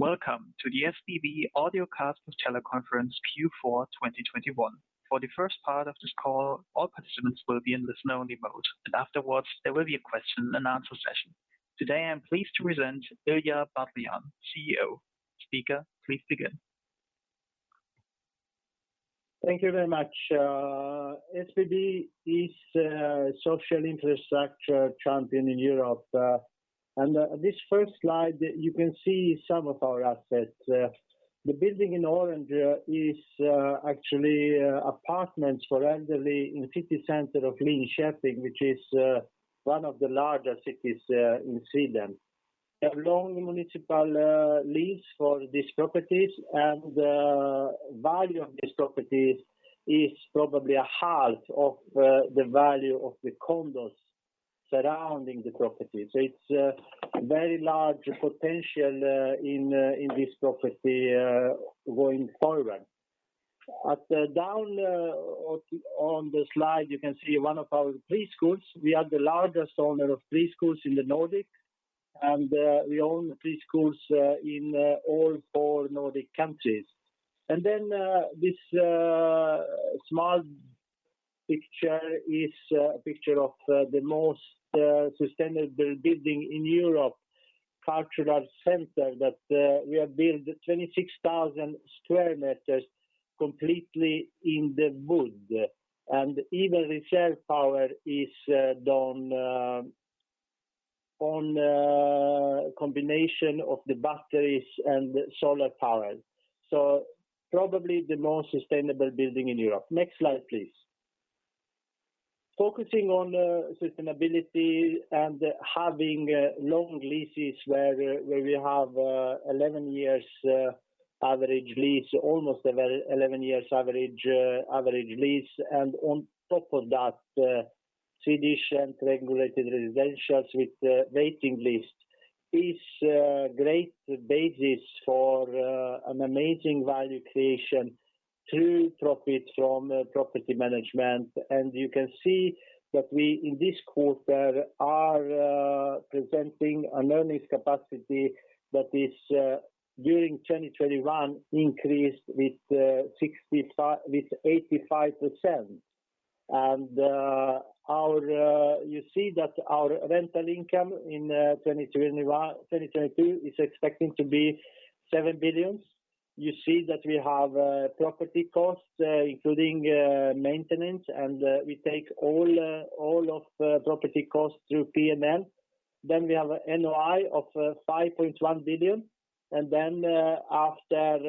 Welcome to the SBB Audiocast Teleconference Q4 2021. For the first part of this call, all participants will be in listen-only mode, and afterwards, there will be a question and answer session. Today, I am pleased to present Ilija Batljan, CEO. Speaker, please begin. Thank you very much. SBB is a social infrastructure champion in Europe. This first slide, you can see some of our assets. The building in orange is actually apartments for elderly in the city center of Linköping, which is one of the larger cities in Sweden. A long municipal lease for these properties and value of these properties is probably a half of the value of the condos surrounding the property. It's a very large potential in this property going forward. At the bottom on the slide, you can see one of our preschools. We are the largest owner of preschools in the Nordic and we own preschools in all four Nordic countries. This small picture is a picture of the most sustainable building in Europe Cultural Center that we have built 26,000 sq m completely in the wood. Even reserve power is done on a combination of the batteries and solar power. Probably the most sustainable building in Europe. Next slide, please. Focusing on sustainability and having long leases where we have almost 11 years average lease. On top of that, Swedish and regulated residentials with waiting lists is a great basis for an amazing value creation through profit from property management. You can see that we in this quarter are presenting an earnings capacity that is during 2021 increased with 85%. You see that our rental income in 2022 is expecting to be 7 billion. You see that we have property costs including maintenance, and we take all property costs through P&L. We have NOI of 5.1 billion. After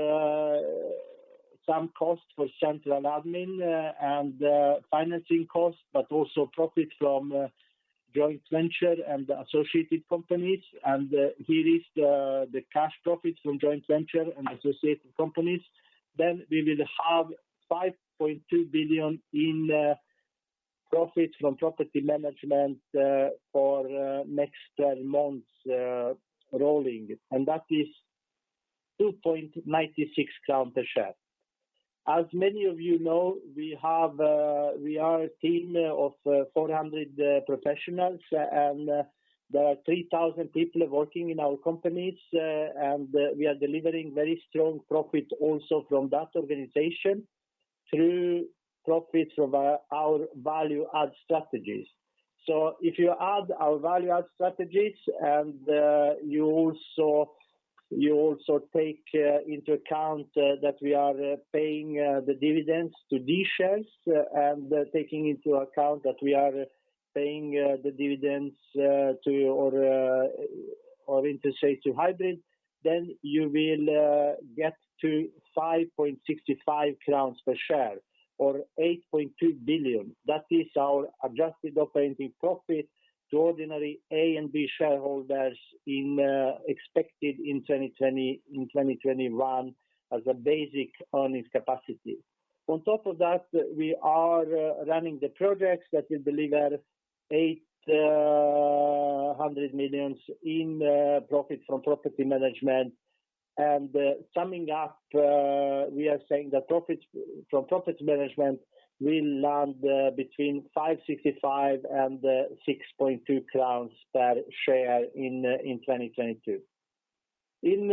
some costs for central admin and financing costs, but also profit from joint venture and associated companies. Here is the cash profits from joint venture and associated companies. We will have 5.2 billion in profit from property management for next 12 months rolling, and that is 2.96 crown per share. As many of you know, we are a team of 400 professionals, and there are 3,000 people working in our companies, and we are delivering very strong profit also from that organization through profits of our value add strategies. If you add our value add strategies and you also take into account that we are paying the dividends to D-shares, and taking into account that we are paying the dividends to or interest to hybrid. You will get to 5.65 crowns per share or 8.2 billion. That is our adjusted operating profit to ordinary A and B shareholders in expected in 2021 as a basic earnings capacity. On top of that, we are running the projects that will deliver 800 million in profit from property management. Summing up, we are saying that profits from property management will land between 5.65 and 6.2 crowns per share in 2022. In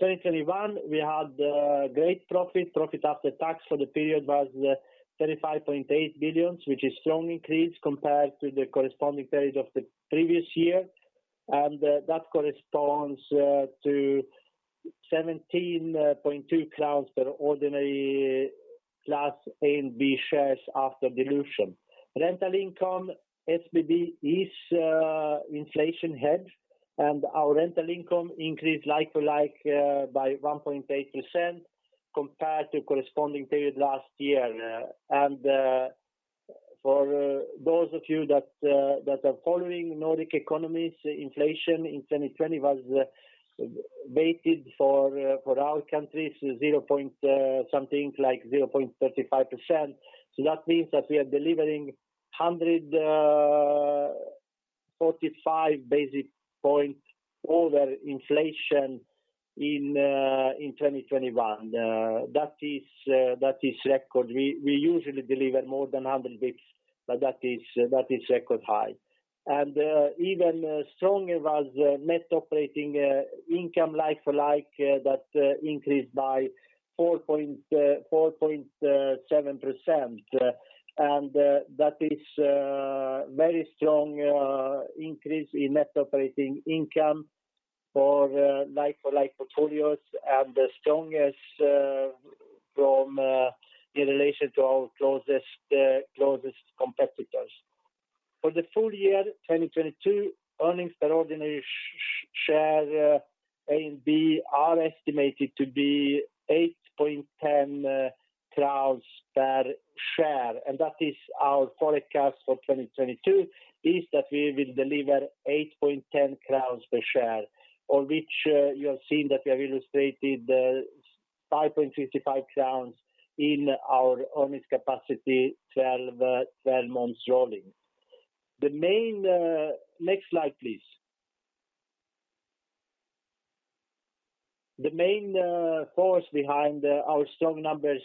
2021, we had great profit. Profit after tax for the period was 35.8 billion, which is strong increase compared to the corresponding period of the previous year. That corresponds to 17.2 crowns per ordinary class A and B shares after dilution. Rental income SBB is inflation hedge, and our rental income increased like to like by 1.8% compared to corresponding period last year. For those of you that are following Nordic economies, inflation in 2020 was weighted for our countries, something like 0.35%. That means that we are delivering 145 basis points over inflation. In 2021, that is record. We usually deliver more than 100 basis points, but that is record high. Even stronger was net operating income like for like, that increased by 4.7%. That is very strong increase in net operating income for like for like portfolios and the strongest in relation to our closest competitors. For the full year 2022, earnings per ordinary share A and B are estimated to be 8.10 crowns per share. That is our forecast for 2022, is that we will deliver 8.10 crowns per share. On which, you have seen that we have illustrated, 5.55 crowns in our earnings capacity 12 months rolling. Next slide, please. The main force behind our strong numbers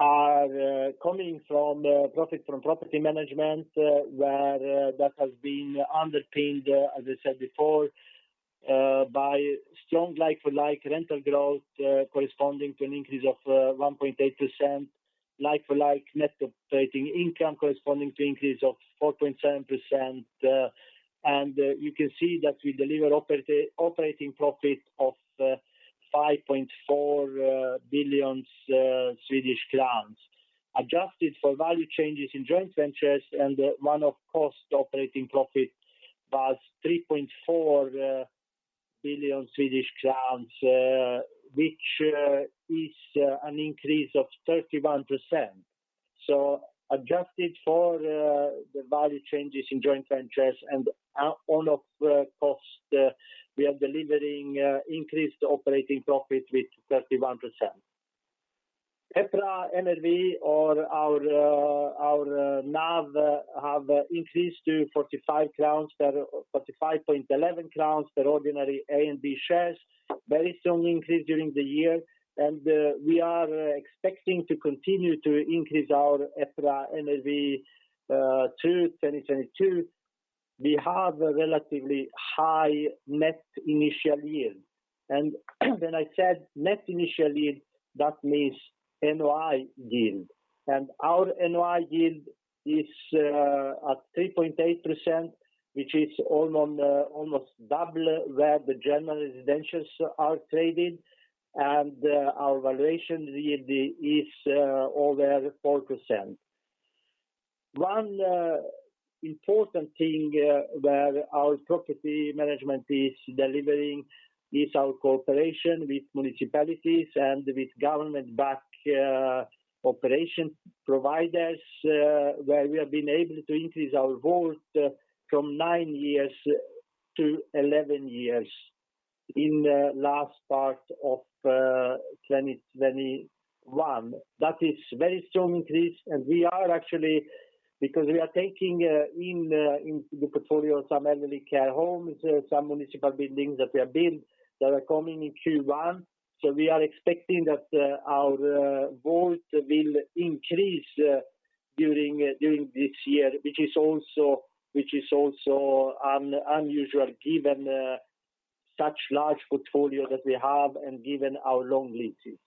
are coming from profit from property management, where that has been underpinned, as I said before, by strong like for like rental growth, corresponding to an increase of 1.8%. Like for like net operating income corresponding to increase of 4.7%. You can see that we deliver operating profit of 5.4 billion Swedish crowns. Adjusted for value changes in joint ventures and one-off costs, operating profit was SEK 3.4 billion, which is an increase of 31%. Adjusted for the value changes in joint ventures and one-off costs, we are delivering increased operating profit with 31%. EPRA NAV or our NAV have increased to 45.11 crowns per ordinary A and B shares. Very strong increase during the year. We are expecting to continue to increase our EPRA NAV through 2022. We have a relatively high net initial yield. When I said net initial yield, that means NOI yield. Our NOI yield is at 3.8%, which is almost double where the general residentials are traded. Our valuation yield is over 4%. One important thing where our property management is delivering is our cooperation with municipalities and with government-backed operation providers where we have been able to increase our WALT from 9 years to 11 years in the last part of 2021. That is very strong increase, and we are actually because we are taking in the portfolio some elderly care homes, some municipal buildings that we have built that are coming in Q1. We are expecting that our WALT will increase during this year, which is also unusual given such large portfolio that we have and given our long leases.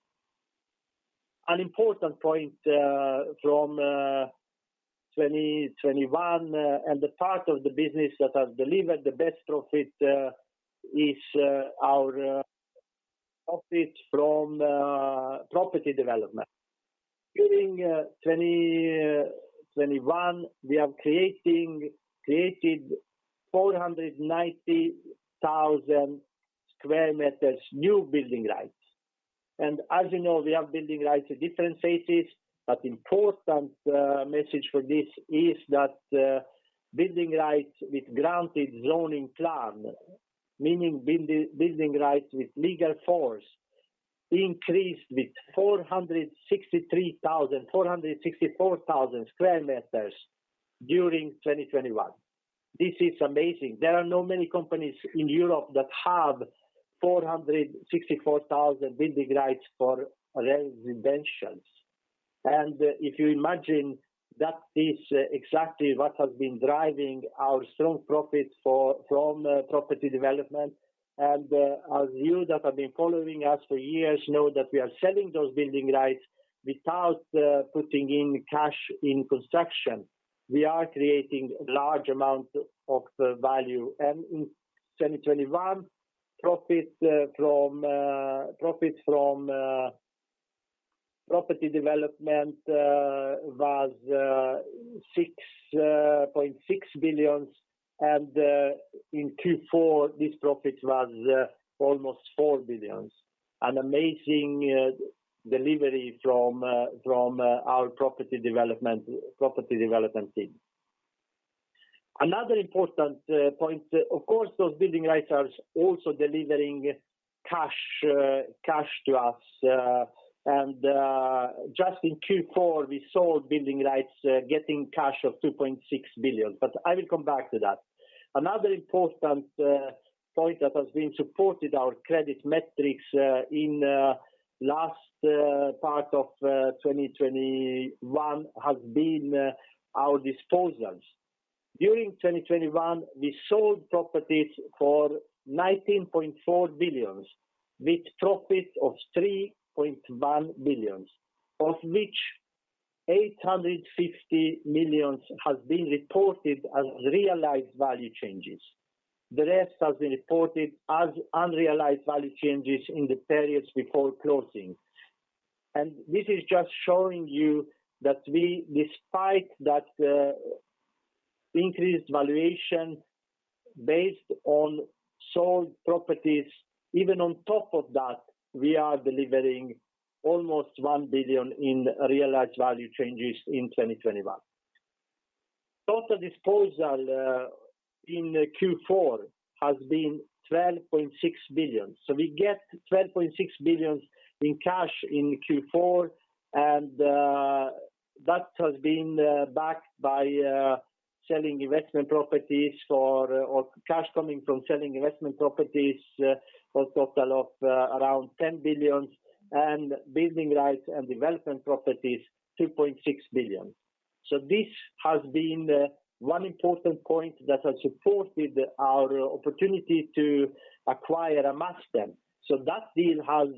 An important point from 2021 and the part of the business that has delivered the best profit is our profit from property development. During 2021, we created 490,000 sq m new building rights. As you know, we have building rights at different phases. Important message for this is that building rights with granted zoning plan, meaning building rights with legal force, increased with 463,000-464,000 sq m during 2021. This is amazing. There are not many companies in Europe that have 464,000 building rights for residence. If you imagine that is exactly what has been driving our strong profit from property development. As you that have been following us for years know that we are selling those building rights without putting in cash in construction. We are creating large amount of value. In 2021, profit from property development was 6.6 billion. In Q4, this profit was almost 4 billion. An amazing delivery from our property development team. Another important point, of course, those building rights are also delivering cash to us. Just in Q4, we sold building rights getting cash of 2.6 billion. I will come back to that. Another important point that has supported our credit metrics in last part of 2021 has been our disposals. During 2021, we sold properties for 19.4 billion with profit of 3.1 billion, of which 850 million has been reported as realized value changes. The rest has been reported as unrealized value changes in the periods before closing. This is just showing you that we despite that increased valuation based on sold properties, even on top of that, we are delivering almost 1 billion in realized value changes in 2021. Total disposal in Q4 has been 12.6 billion. We get 12.6 billion in cash in Q4, and that has been backed by selling investment properties, cash coming from selling investment properties for a total of around 10 billion and building rights and development properties, 2.6 billion. This has been one important point that has supported our opportunity to acquire Amasten. That deal has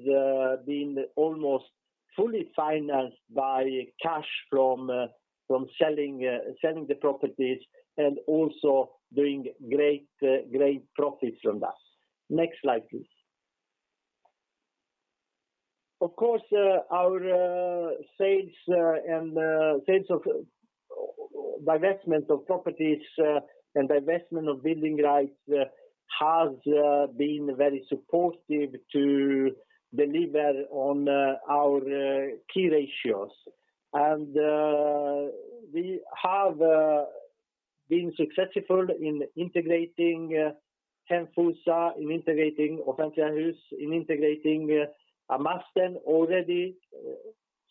been almost fully financed by cash from selling the properties and also doing great profits from that. Next slide, please. Of course, our sales and divestment of properties and divestment of building rights has been very supportive to deliver on our key ratios. We have been successful in integrating Hemfosa, integrating Offentliga Hus, integrating Amasten already.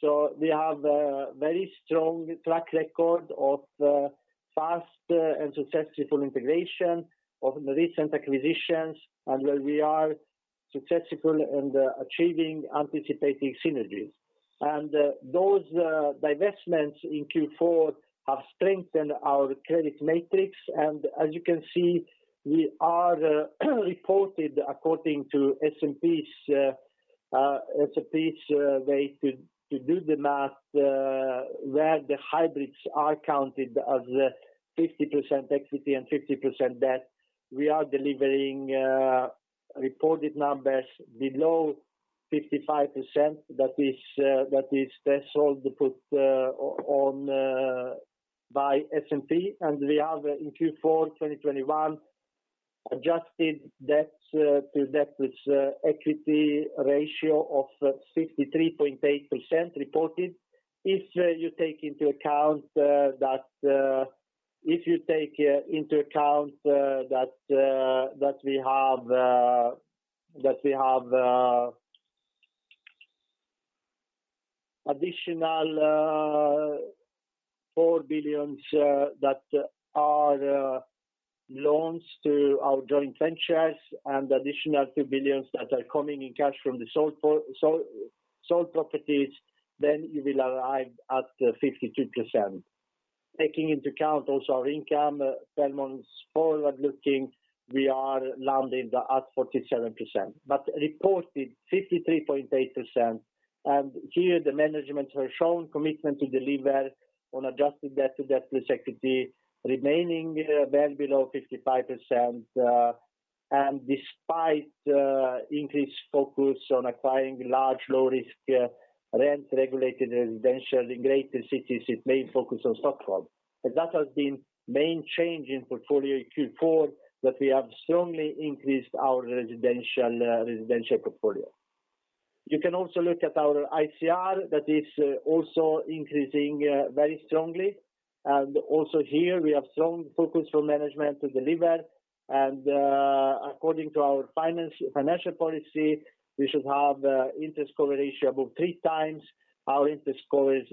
We have a very strong track record of fast and successful integration of recent acquisitions, and we are successful in achieving anticipated synergies. Those divestments in Q4 have strengthened our credit metrics. As you can see, we are reported according to S&P's way to do the math, where the hybrids are counted as 50% equity and 50% debt. We are delivering reported numbers below 55%. That is the threshold put on by S&P. We have in Q4 2021 adjusted debt-to-equity ratio of 63.8% reported. If you take into account that we have additional SEK 4 billion that are loans to our joint ventures and additional 2 billion that are coming in cash from the sold properties, then you will arrive at 52%. Taking into account also our income, Tellberg's forward looking, we are landing at 47%. Reported 53.8%. Here the management has shown commitment to deliver on adjusted debt to debt plus equity remaining well below 55%, and despite increased focus on acquiring large low-risk rent-regulated residential in greater cities, its main focus on Stockholm. That has been main change in portfolio in Q4 that we have strongly increased our residential portfolio. You can also look at our ICR that is also increasing very strongly. Also here we have strong focus from management to deliver. According to our financial policy, we should have interest coverage ratio above 3 times. Our interest coverage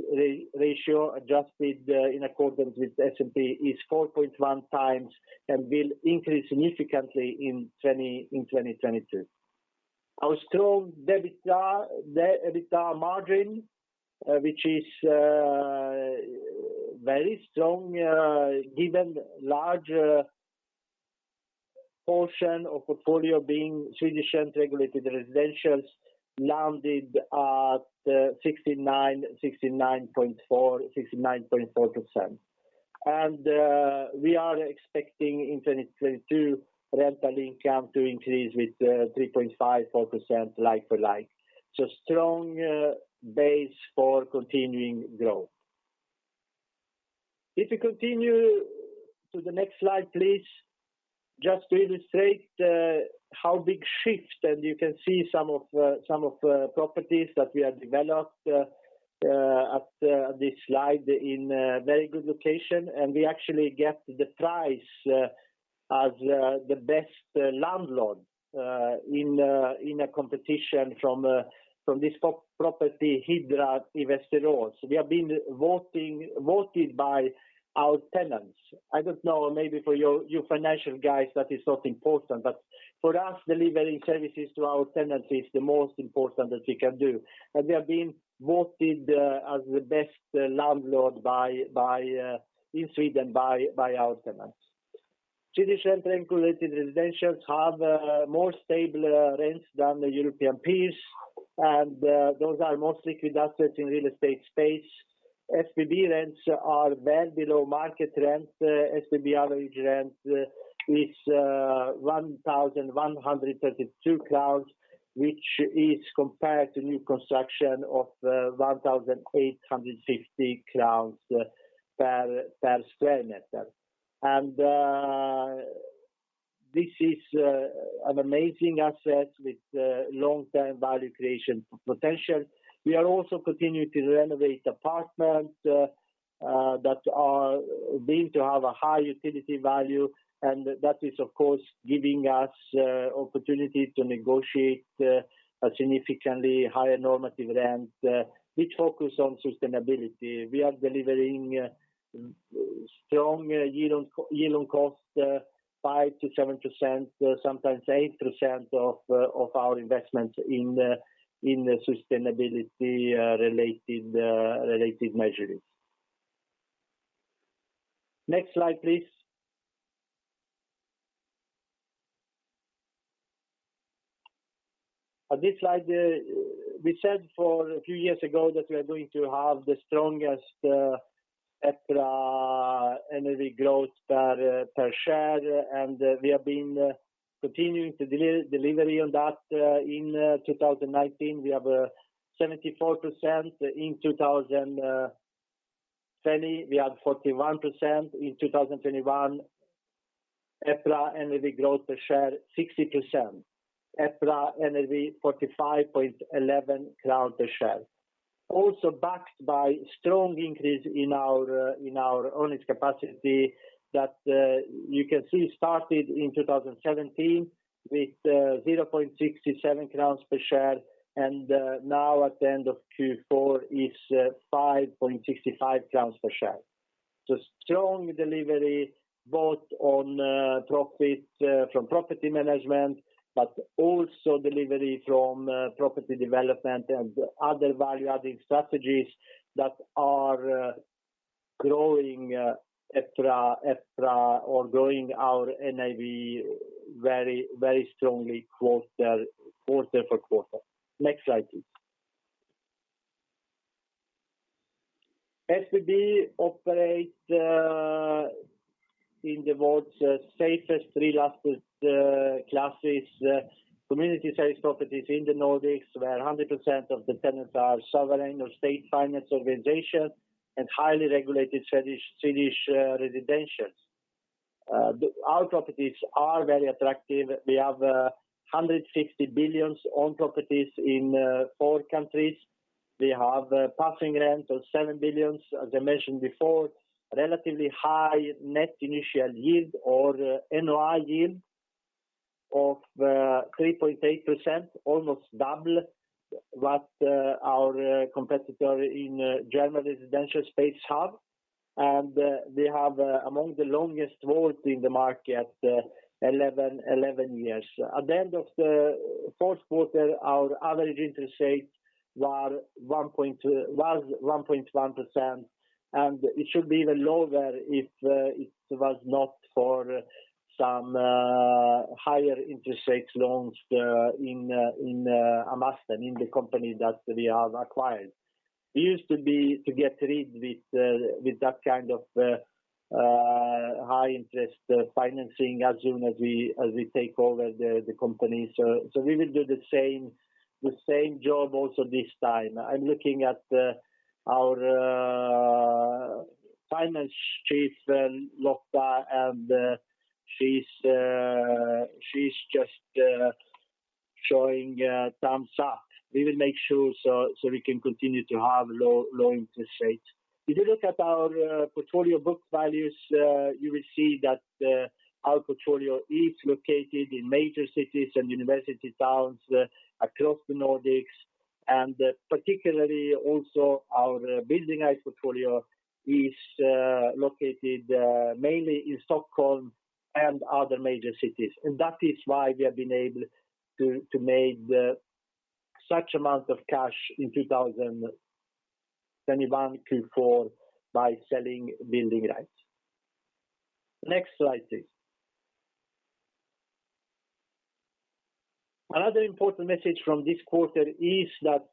ratio adjusted in accordance with S&P is 4.1 times and will increase significantly in 2022. Our strong EBITDA margin, which is very strong, given large portion of portfolio being Swedish rent-regulated residentials landed at 69.4%. We are expecting in 2022 rental income to increase with 3.5-4% like for like. Strong base for continuing growth. If we continue to the next slide, please. Just to illustrate how big shifts, and you can see some of properties that we have developed at this slide in a very good location. We actually get the prize as the best landlord in a competition from Hyresgästföreningen. We have been voted by our tenants. I don't know, maybe for you financial guys that is not important, but for us, delivering services to our tenants is the most important that we can do. We have been voted as the best landlord by Hyresgästföreningen in Sweden by our tenants. Swedish rent-regulated residentials have more stable rents than the European peers, and those are mostly good assets in real estate space. SBB rents are well below market rent. SBB average rent is 1,132 crowns, which is compared to new construction of 1,850 crowns per sq m. This is an amazing asset with long-term value creation potential. We are also continuing to renovate apartments that are deemed to have a high utility value. That is, of course, giving us opportunity to negotiate a significantly higher normative rent, which focus on sustainability. We are delivering strong yield on cost 5%-7%, sometimes 8% of our investments in the sustainability related measures. Next slide, please. On this slide, we said a few years ago that we are going to have the strongest EPRA earnings growth per share, and we have been continuing to delivery on that. In 2019, we have 74%. In 2020, we had 41%. In 2021, EPRA earnings growth per share, 60%. EPRA earnings, 45.11 crown per share. Also backed by strong increase in our earnings capacity that you can see started in 2017 with 0.67 crowns per share, and now at the end of Q4 is 5.65 crowns per share. Strong delivery both on profit from property management, but also delivery from property development and other value-adding strategies that are growing EPRA NAV very, very strongly quarter for quarter. Next slide, please. SBB operate in the world's safest real estate classes, community-based properties in the Nordics, where 100% of the tenants are sovereign or state-financed organizations and highly regulated Swedish residentials. Our properties are very attractive. We have 160 billion on properties in 4 countries. We have passing rent of 7 billion, as I mentioned before. Relatively high net initial yield or NOI yield of 3.8%, almost double what our competitor in German residential space have. We have among the longest hold in the market, 11 years. At the end of the fourth quarter, our average interest rates were 1.1%, and it should be even lower if it was not for some higher interest rate loans in Amasten, in the company that we have acquired. We used to be able to get rid of that kind of high-interest financing as soon as we take over the company. We will do the same job also this time. I'm looking at our Finance Chief Lotta, and she's just showing thumbs up. We will make sure so we can continue to have low interest rates. If you look at our portfolio book values, you will see that our portfolio is located in major cities and university towns across the Nordics. Particularly also our building-wise portfolio is located mainly in Stockholm and other major cities. That is why we have been able to make such amount of cash in 2021 Q4 by selling building rights. Next slide, please. Another important message from this quarter is that,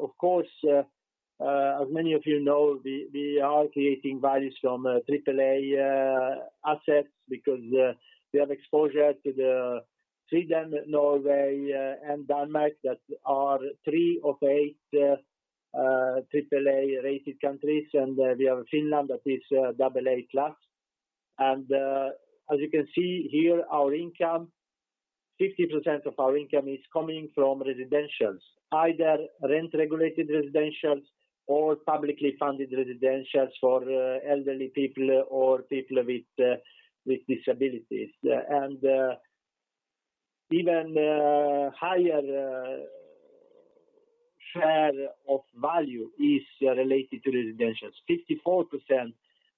of course, as many of you know, we are creating values from AAA assets because we have exposure to Sweden, Norway, and Denmark that are 3 of 8 AAA-rated countries. We have Finland that is AA class. As you can see here, our income. 50% of our income is coming from residentials, either rent-regulated residentials or publicly funded residentials for elderly people or people with disabilities. Even higher share of value is related to residentials. 54%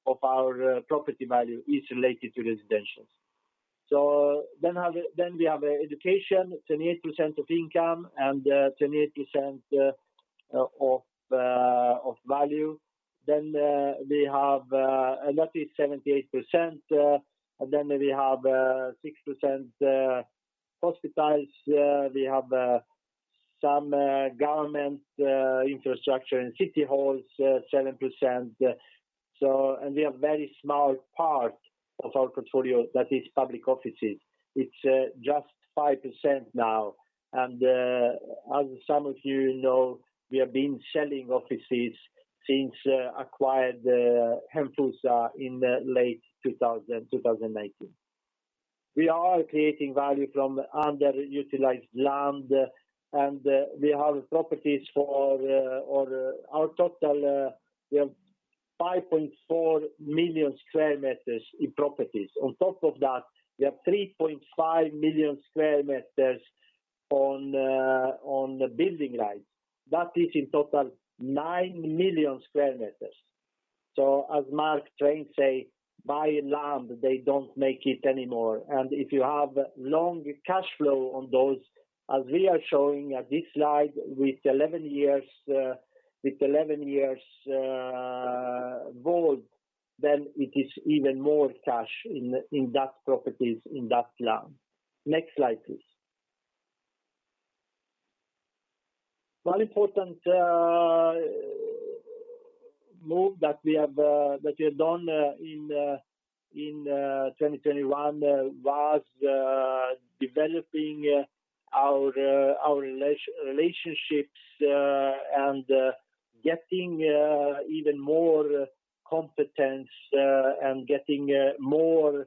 of our property value is related to residentials. We have education, 28% of income and 28% of value. That is 78%, and then we have 6% hospitals. We have some government infrastructure and city halls, 7%. We have very small part of our portfolio that is public offices. It's just 5% now. As some of you know, we have been selling offices since we acquired Heimstaden in late 2018. We are creating value from underutilized land, and we have properties, or our total, we have 5.4 million sq m in properties. On top of that, we have 3.5 million sq m on building rights. That is in total 9 million sq m. As Mark Twain say, "Buy land, they don't make it anymore." If you have long cash flow on those, as we are showing at this slide with 11 years WALT, then it is even more cash in those properties in that land. Next slide, please. One important move that we have done in 2021 was developing our relationships and getting even more competence and getting more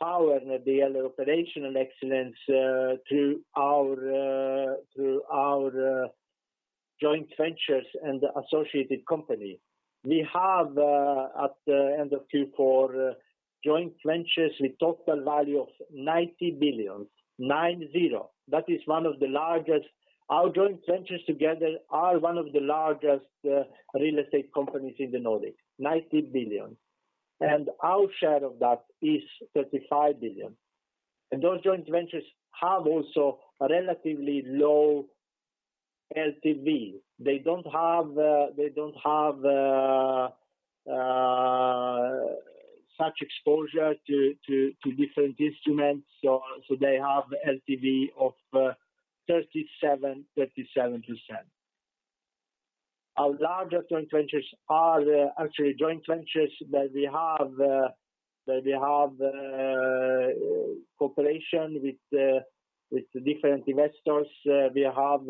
power in the operational excellence through our joint ventures and associated company. We have, at the end of Q4, joint ventures with total value of 90 billion. That is one of the largest. Our joint ventures together are one of the largest real estate companies in the Nordics, 90 billion. Our share of that is 35 billion. Those joint ventures have also a relatively low LTV. They don't have such exposure to different instruments. They have LTV of 37%. Our larger joint ventures are the actually joint ventures that we have cooperation with different investors. We have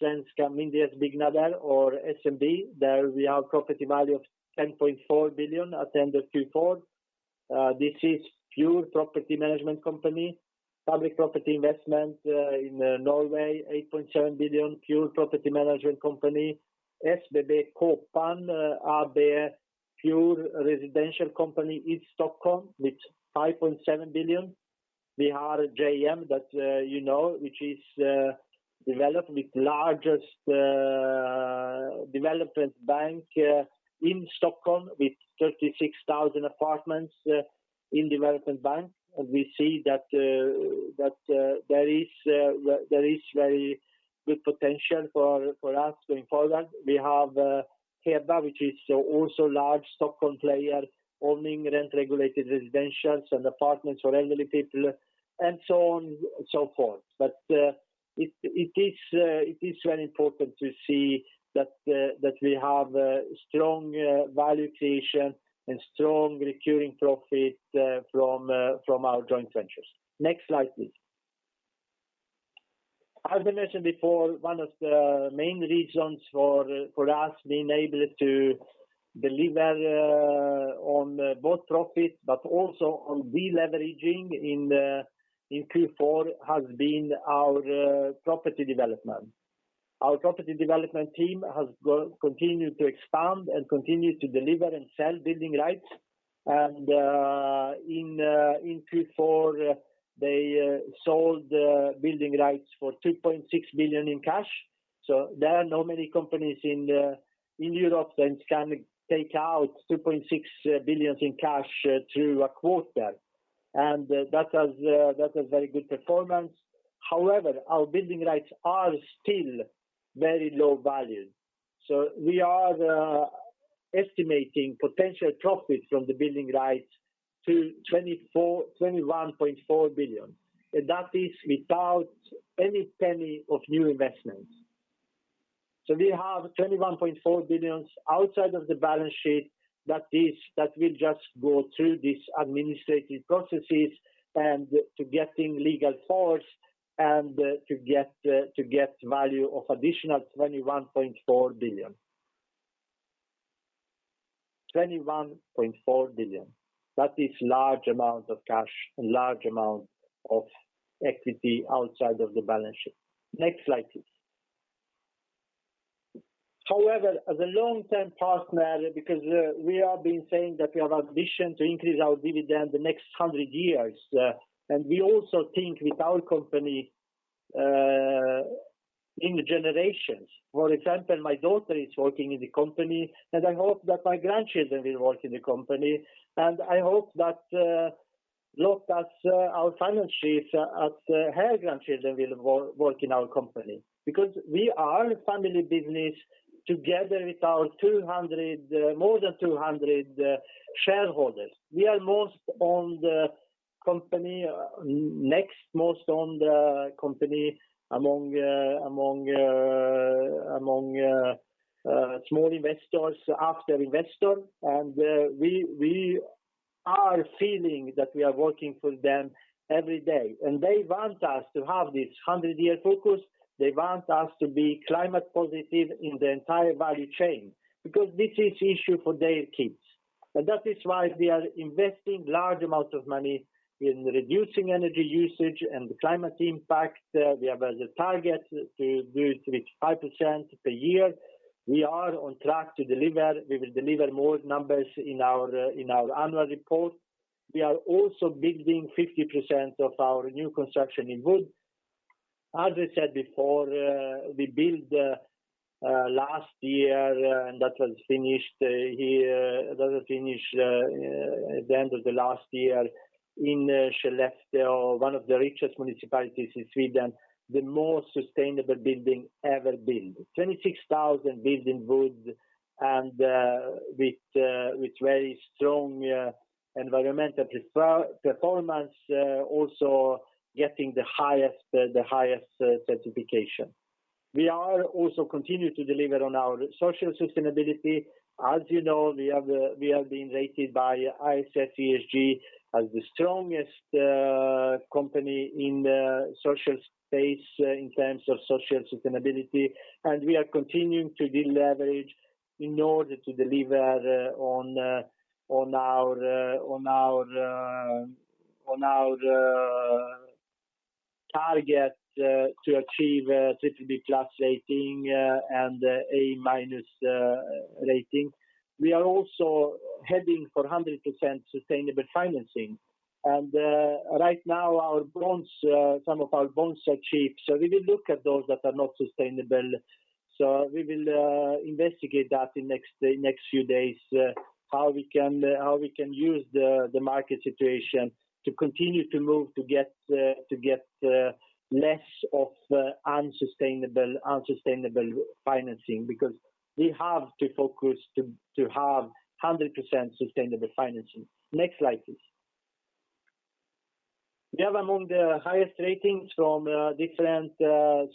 Svenska Handelsbyggnader or SHB. There we have property value of 10.4 billion at the end of Q4. This is pure property management company. Public Property Invest in Norway, 8.7 billion, pure property management company. SBB Kåpan are the pure residential company in Stockholm with 5.7 billion. We have JM that you know which is developed with largest development pipeline in Stockholm with 36,000 apartments in development pipeline. We see that there is very good potential for us going forward. We have Kåpan, which is also a large Stockholm player owning rent-regulated residentials and apartments for elderly people and so on and so forth. It is very important to see that we have a strong value creation and strong recurring profit from our joint ventures. Next slide, please. As we mentioned before, one of the main reasons for us being able to deliver on both profit but also on deleveraging in Q4 has been our property development. Our property development team has continued to expand and continued to deliver and sell building rights. In Q4, they sold building rights for 2.6 billion in cash. There are not many companies in Europe that can take out 2.6 billion in cash through a quarter. That was very good performance. However, our building rights are still very low valued. We are estimating potential profit from the building rights to 21.4 billion. That is without any penny of new investments. We have 21.4 billion outside of the balance sheet that will just go through these administrative processes and to getting legal force and to get value of additional 21.4 billion. 21.4 billion. That is a large amount of cash and a large amount of equity outside of the balance sheet. Next slide, please. However, as a long-term partner, we have been saying that we have ambition to increase our dividend the next 100 years, and we also think with our company in the generations. For example, my daughter is working in the company, and I hope that my grandchildren will work in the company. I hope that Lotta, our finance chief, as her grandchildren will work in our company. Because we are a family business together with our 200, more than 200, shareholders. We are most owned company, next most owned company among small investors after Investor. We are feeling that we are working for them every day. They want us to have this hundred-year focus. They want us to be climate positive in the entire value chain because this is an issue for their kids. That is why we are investing large amounts of money in reducing energy usage and the climate impact. We have as a target to do it with 5% per year. We are on track to deliver. We will deliver more numbers in our annual report. We are also building 50% of our new construction in wood. As I said before, we built last year and that was finished at the end of last year in Skellefteå, one of the richest municipalities in Sweden, the most sustainable building ever built. 26,000 built in wood and with very strong environmental performance, also getting the highest certification. We are also continuing to deliver on our social sustainability. As you know, we have been rated by ISS ESG as the strongest company in the social space in terms of social sustainability. We are continuing to deleverage in order to deliver on our target to achieve a BBB+ rating and A- rating. We are also heading for 100% sustainable financing. Right now our bonds, some of our bonds are cheap, so we will look at those that are not sustainable. We will investigate that in next few days, how we can use the market situation to continue to move to get less of unsustainable financing because we have to focus to have 100% sustainable financing. Next slide, please. We have among the highest ratings from different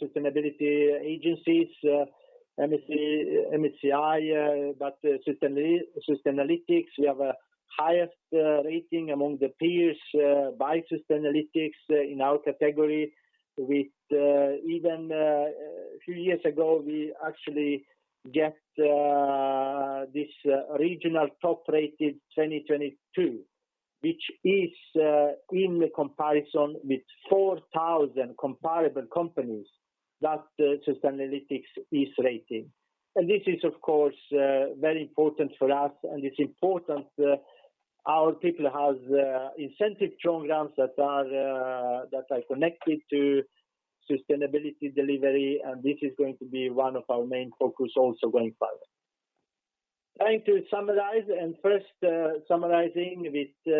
sustainability agencies, MSCI, but Sustainalytics. We have a highest rating among the peers by Sustainalytics in our category with even a few years ago, we actually get this regional top-rated 2022, which is in the comparison with 4,000 comparable companies that Sustainalytics is rating. This is, of course, very important for us, and it's important, our people has incentive programs that are that are connected to sustainability delivery, and this is going to be one of our main focus also going forward. Trying to summarize and first, summarizing with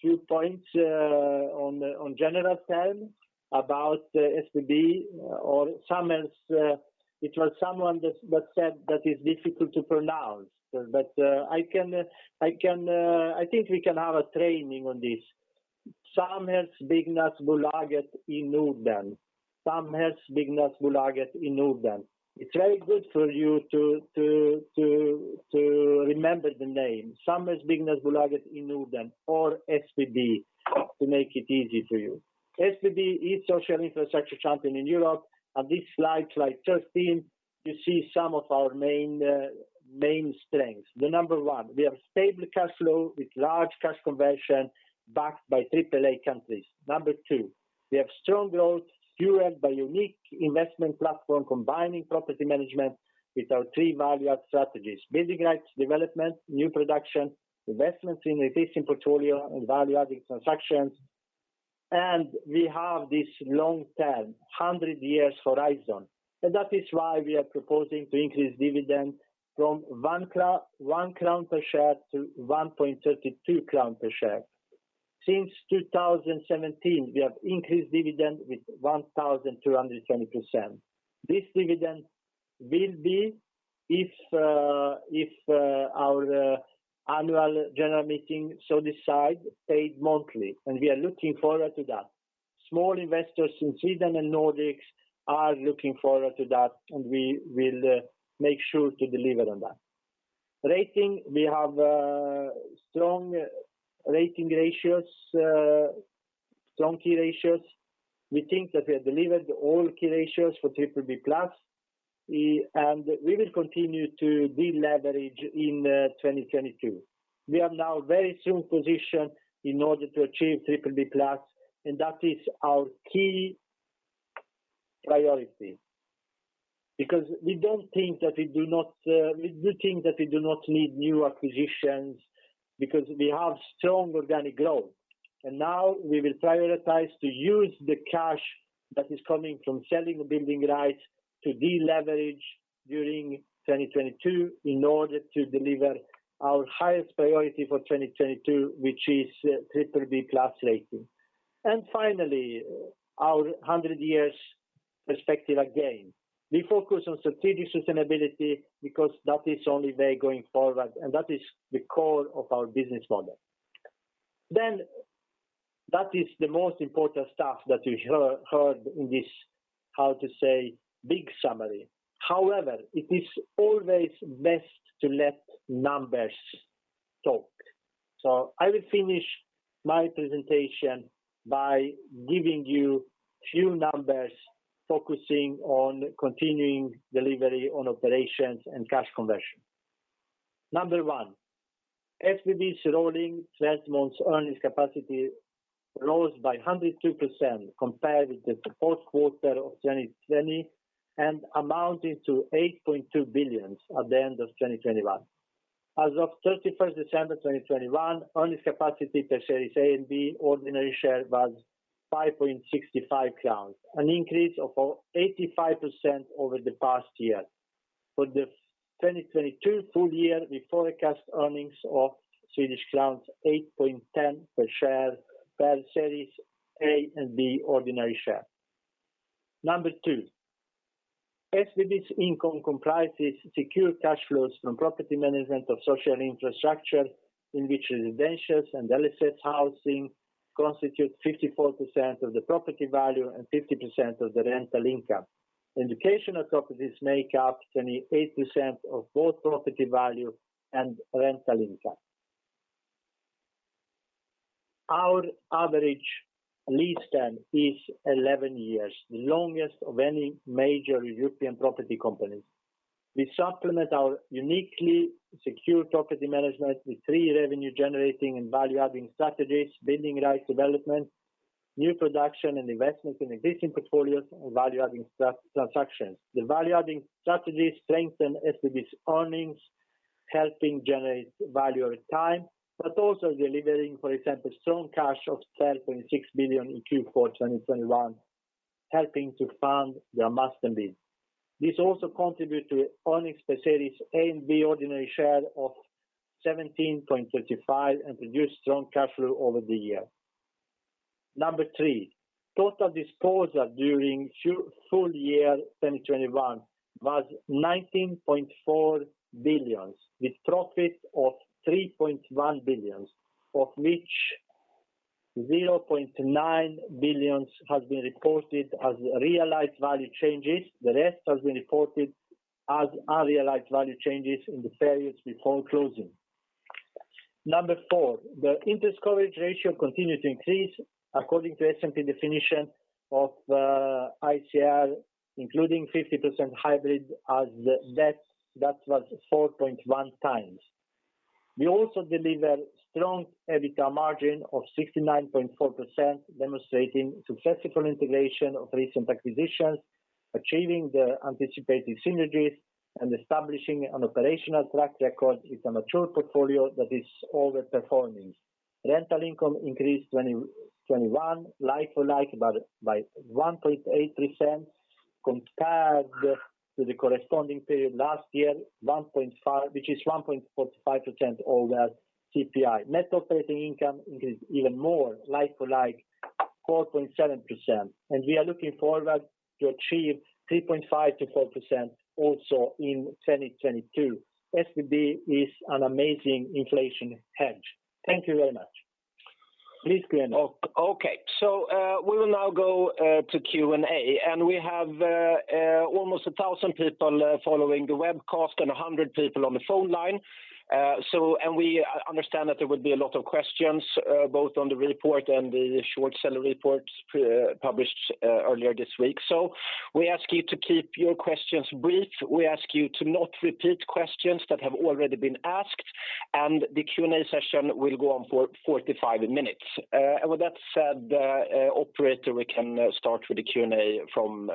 few points on general term about SBB or Samhällsbyggnadsbolaget i Norden. It was someone that said that it's difficult to pronounce. I can, I think we can have a training on this. Samhällsbyggnadsbolaget i Norden. Samhällsbyggnadsbolaget i Norden. It's very good for you to remember the name. Samhällsbyggnadsbolaget i Norden or SBB to make it easy for you. SBB is social infrastructure champion in Europe. On this slide 13, you see some of our main strengths. Number 1, we have stable cash flow with large cash conversion backed by AAA countries. Number 2, we have strong growth fueled by unique investment platform combining property management with our three value add strategies, building rights, development, new production, investments in existing portfolio and value adding transactions. We have this long-term 100-year horizon. That is why we are proposing to increase dividend from 1 crown per share to 1.32 crown per share. Since 2017, we have increased dividend by 1,220%. This dividend will be if our annual general meeting so decide paid monthly. We are looking forward to that. Small investors in Sweden and Nordics are looking forward to that, and we will make sure to deliver on that. Rating. We have strong rating ratios, strong key ratios. We think that we have delivered all key ratios for BBB+. We will continue to deleverage in 2022. We are now in a very strong position in order to achieve BBB+, and that is our key priority. Because we do think that we do not need new acquisitions because we have strong organic growth. Now we will prioritize to use the cash that is coming from selling building rights to deleverage during 2022 in order to deliver our highest priority for 2022, which is BBB+ rating. Finally, our 100-year perspective, again, we focus on strategic sustainability because that is the only way going forward, and that is the core of our business model. That is the most important stuff that you heard in this, how to say, big summary. However, it is always best to let numbers talk. I will finish my presentation by giving you few numbers, focusing on continuing delivery on operations and cash conversion. Number one, SBB's rolling 12 months earnings capacity rose by 102% compared with the fourth quarter of 2020 and amounting to 8.2 billion at the end of 2021. As of 31 December 2021, earnings capacity per series A and B ordinary share was 5.65 crowns, an increase of 85% over the past year. For the 2022 full year, we forecast earnings of Swedish crowns 8.10 per share per series A and B ordinary share. Number two, SBB's income comprises secure cash flows from property management of social infrastructure in which residential and LSS housing constitute 54% of the property value and 50% of the rental income. Educational properties make up 28% of both property value and rental income. Our average lease term is 11 years, the longest of any major European property company. We supplement our uniquely secure property management with three revenue generating and value-adding strategies, building right development, new production and investments in existing portfolios, and value-adding transactions. The value-adding strategies strengthen SBB's earnings, helping generate value over time, but also delivering, for example, strong cash flow of 10.6 billion in Q4 2021, helping to fund the must and need. This also contribute to earnings per series A and B ordinary share of 17.35 and produce strong cash flow over the year. Number three, total disposal during full year 2021 was 19.4 billion, with profit of 3.1 billion, of which 0.9 billion has been reported as realized value changes. The rest has been reported as unrealized value changes in the periods before closing. Number four, the interest coverage ratio continued to increase according to S&P definition of ICR, including 50% hybrid as the debt. That was 4.1 times. We also deliver strong EBITDA margin of 69.4%, demonstrating successful integration of recent acquisitions, achieving the anticipated synergies, and establishing an operational track record with a mature portfolio that is over-performing. Rental income increased 2021 like for like by 1.8% compared to the corresponding period last year, 1.5%, which is 1.45% over CPI. Net operating income increased even more like for like 4.7%. We are looking forward to achieve 3.5%-4% also in 2022. SBB is an amazing inflation hedge. Thank you very much. Please, Green. Okay. We will now go to Q&A. We have almost 1,000 people following the webcast and 100 people on the phone line. We understand that there will be a lot of questions both on the report and the short seller report published earlier this week. We ask you to keep your questions brief. We ask you to not repeat questions that have already been asked, and the Q&A session will go on for 45 minutes. With that said, operator, we can start with the Q&A from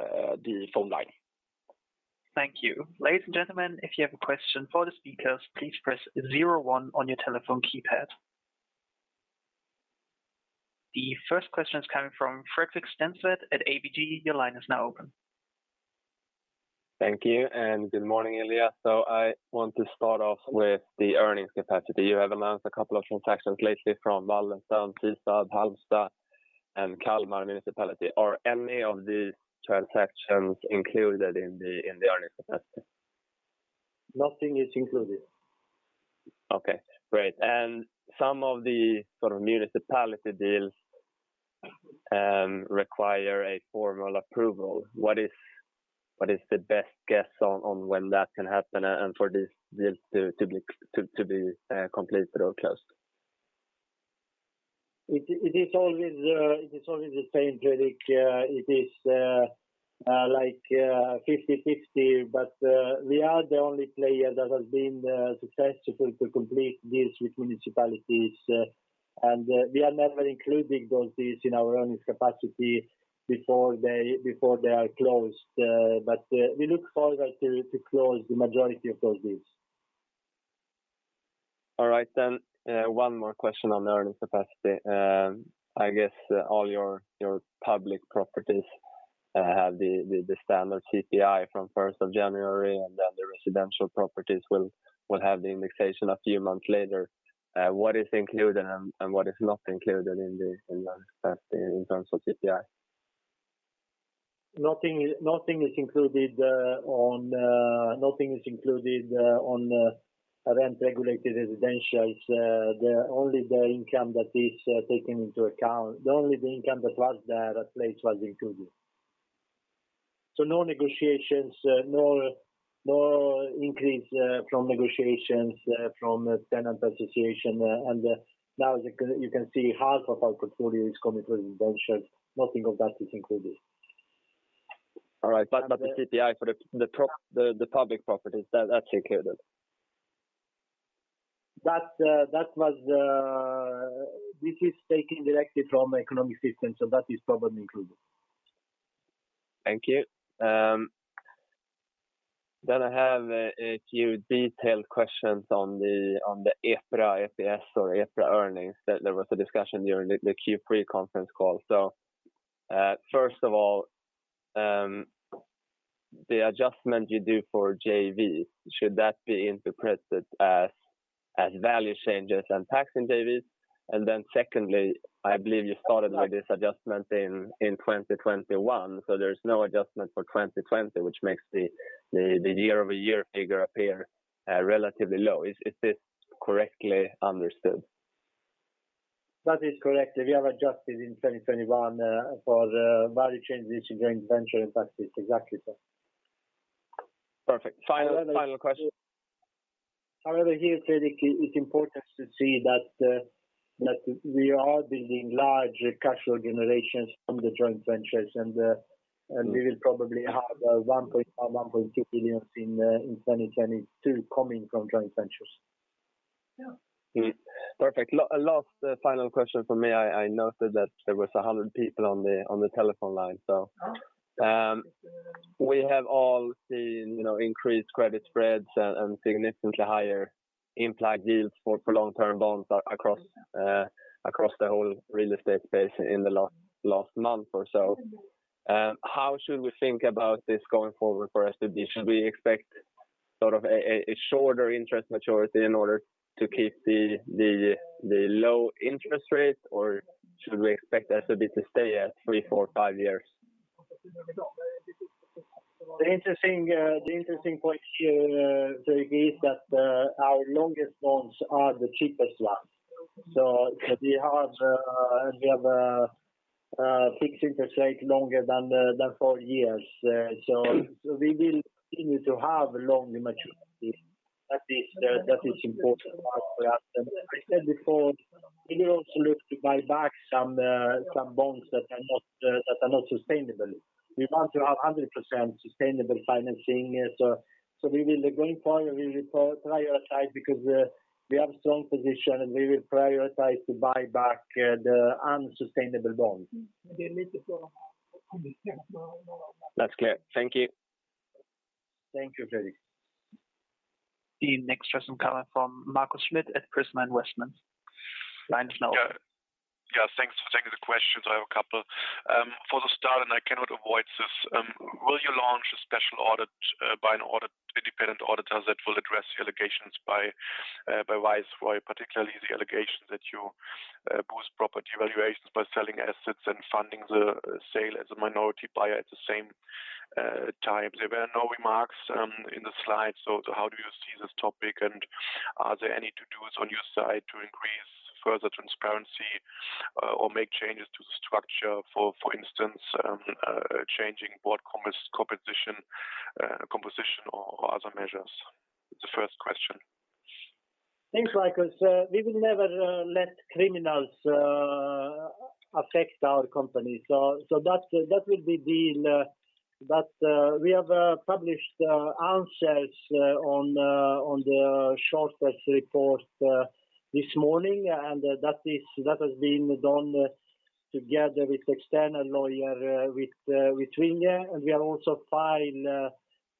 the phone line. Thank you. Ladies and gentlemen, if you have a question for the speakers, please press 01 on your telephone keypad. The first question is coming from Fredrik Stensved at ABG. Your line is now open. Thank you and good morning, Ilija. I want to start off with the earnings capacity. You have announced a couple of transactions lately from Wallenstam, Ystad, Halmstad, and Kalmar Municipality. Are any of these transactions included in the earnings capacity? Nothing is included. Okay, great. Some of the sort of municipality deals. Require a formal approval. What is the best guess on when that can happen and for this deal to be completed or closed? It is always the same, Fredrik. It is like 50/50. We are the only player that has been successful to complete deals with municipalities. We are never including those deals in our earnings capacity before they are closed. We look forward to close the majority of those deals. All right, one more question on the earnings capacity. I guess all your public properties have the standard CPI from first of January, and then the residential properties will have the indexation a few months later. What is included and what is not included in the earnings capacity in terms of CPI? Nothing is included on rent-regulated residentials. The only income that is taken into account. Only the income that was in place was included. No negotiations, no increase from negotiations from tenant association. Now you can see half of our portfolio is commercial residentials. Nothing of that is included. All right. The CPI for the public properties, that's included? That was. This is taken directly from economic system, so that is probably included. Thank you. Then I have a few detailed questions on the EPRA earnings that there was a discussion during the Q3 conference call. First of all, the adjustment you do for JV should that be interpreted as value changes and tax in JVs? And then secondly, I believe you started with this adjustment in 2021, so there's no adjustment for 2020, which makes the year-over-year figure appear relatively low. Is this correctly understood? That is correct. We have adjusted in 2021 for the value changes in joint venture impact. It's exactly so. Perfect. Final question. However here, Fredrik, it's important to see that we are building large cash flow generations from the joint ventures. We will probably have 1.2 billion in 2022 coming from joint ventures. Perfect. Last, final question from me. I noted that there was 100 people on the telephone line. We have all seen, you know, increased credit spreads and significantly higher implied yields for long-term bonds across the whole real estate space in the last month or so. How should we think about this going forward for SBB? Should we expect sort of a shorter interest maturity in order to keep the low interest rate? Or should we expect SBB to stay at three, four, five years? The interesting point here, Fredrik, is that our longest bonds are the cheapest ones. We have fixed interest rate longer than four years. We will continue to have long maturities. That is important for us. I said before, we will also look to buy back some bonds that are not sustainable. We want to have 100% sustainable financing. Going forward, we will prioritize because we have strong position, and we will prioritize to buy back the unsustainable bonds. That's clear. Thank you. Thank you, Fredrik. The next question coming from Marcus Schmidt at Crispin Capital. Line is now open. Yeah. Yeah. Thanks for taking the questions. I have a couple. For the start, I cannot avoid this. Will you launch a special audit by independent auditors that will address the allegations by Viceroy, particularly the allegations that you boost property valuations by selling assets and funding the sale as a minority buyer at the same time? There were no remarks in the slides. How do you see this topic? Are there any to-dos on your side to increase further transparency or make changes to the structure, for instance, changing board composition or other measures? The first question. Thanks, Marcus. We will never let criminals affect our company. That's it. We have published answers on the short sales report this morning. That has been done together with external lawyer with Vinge. We are also filing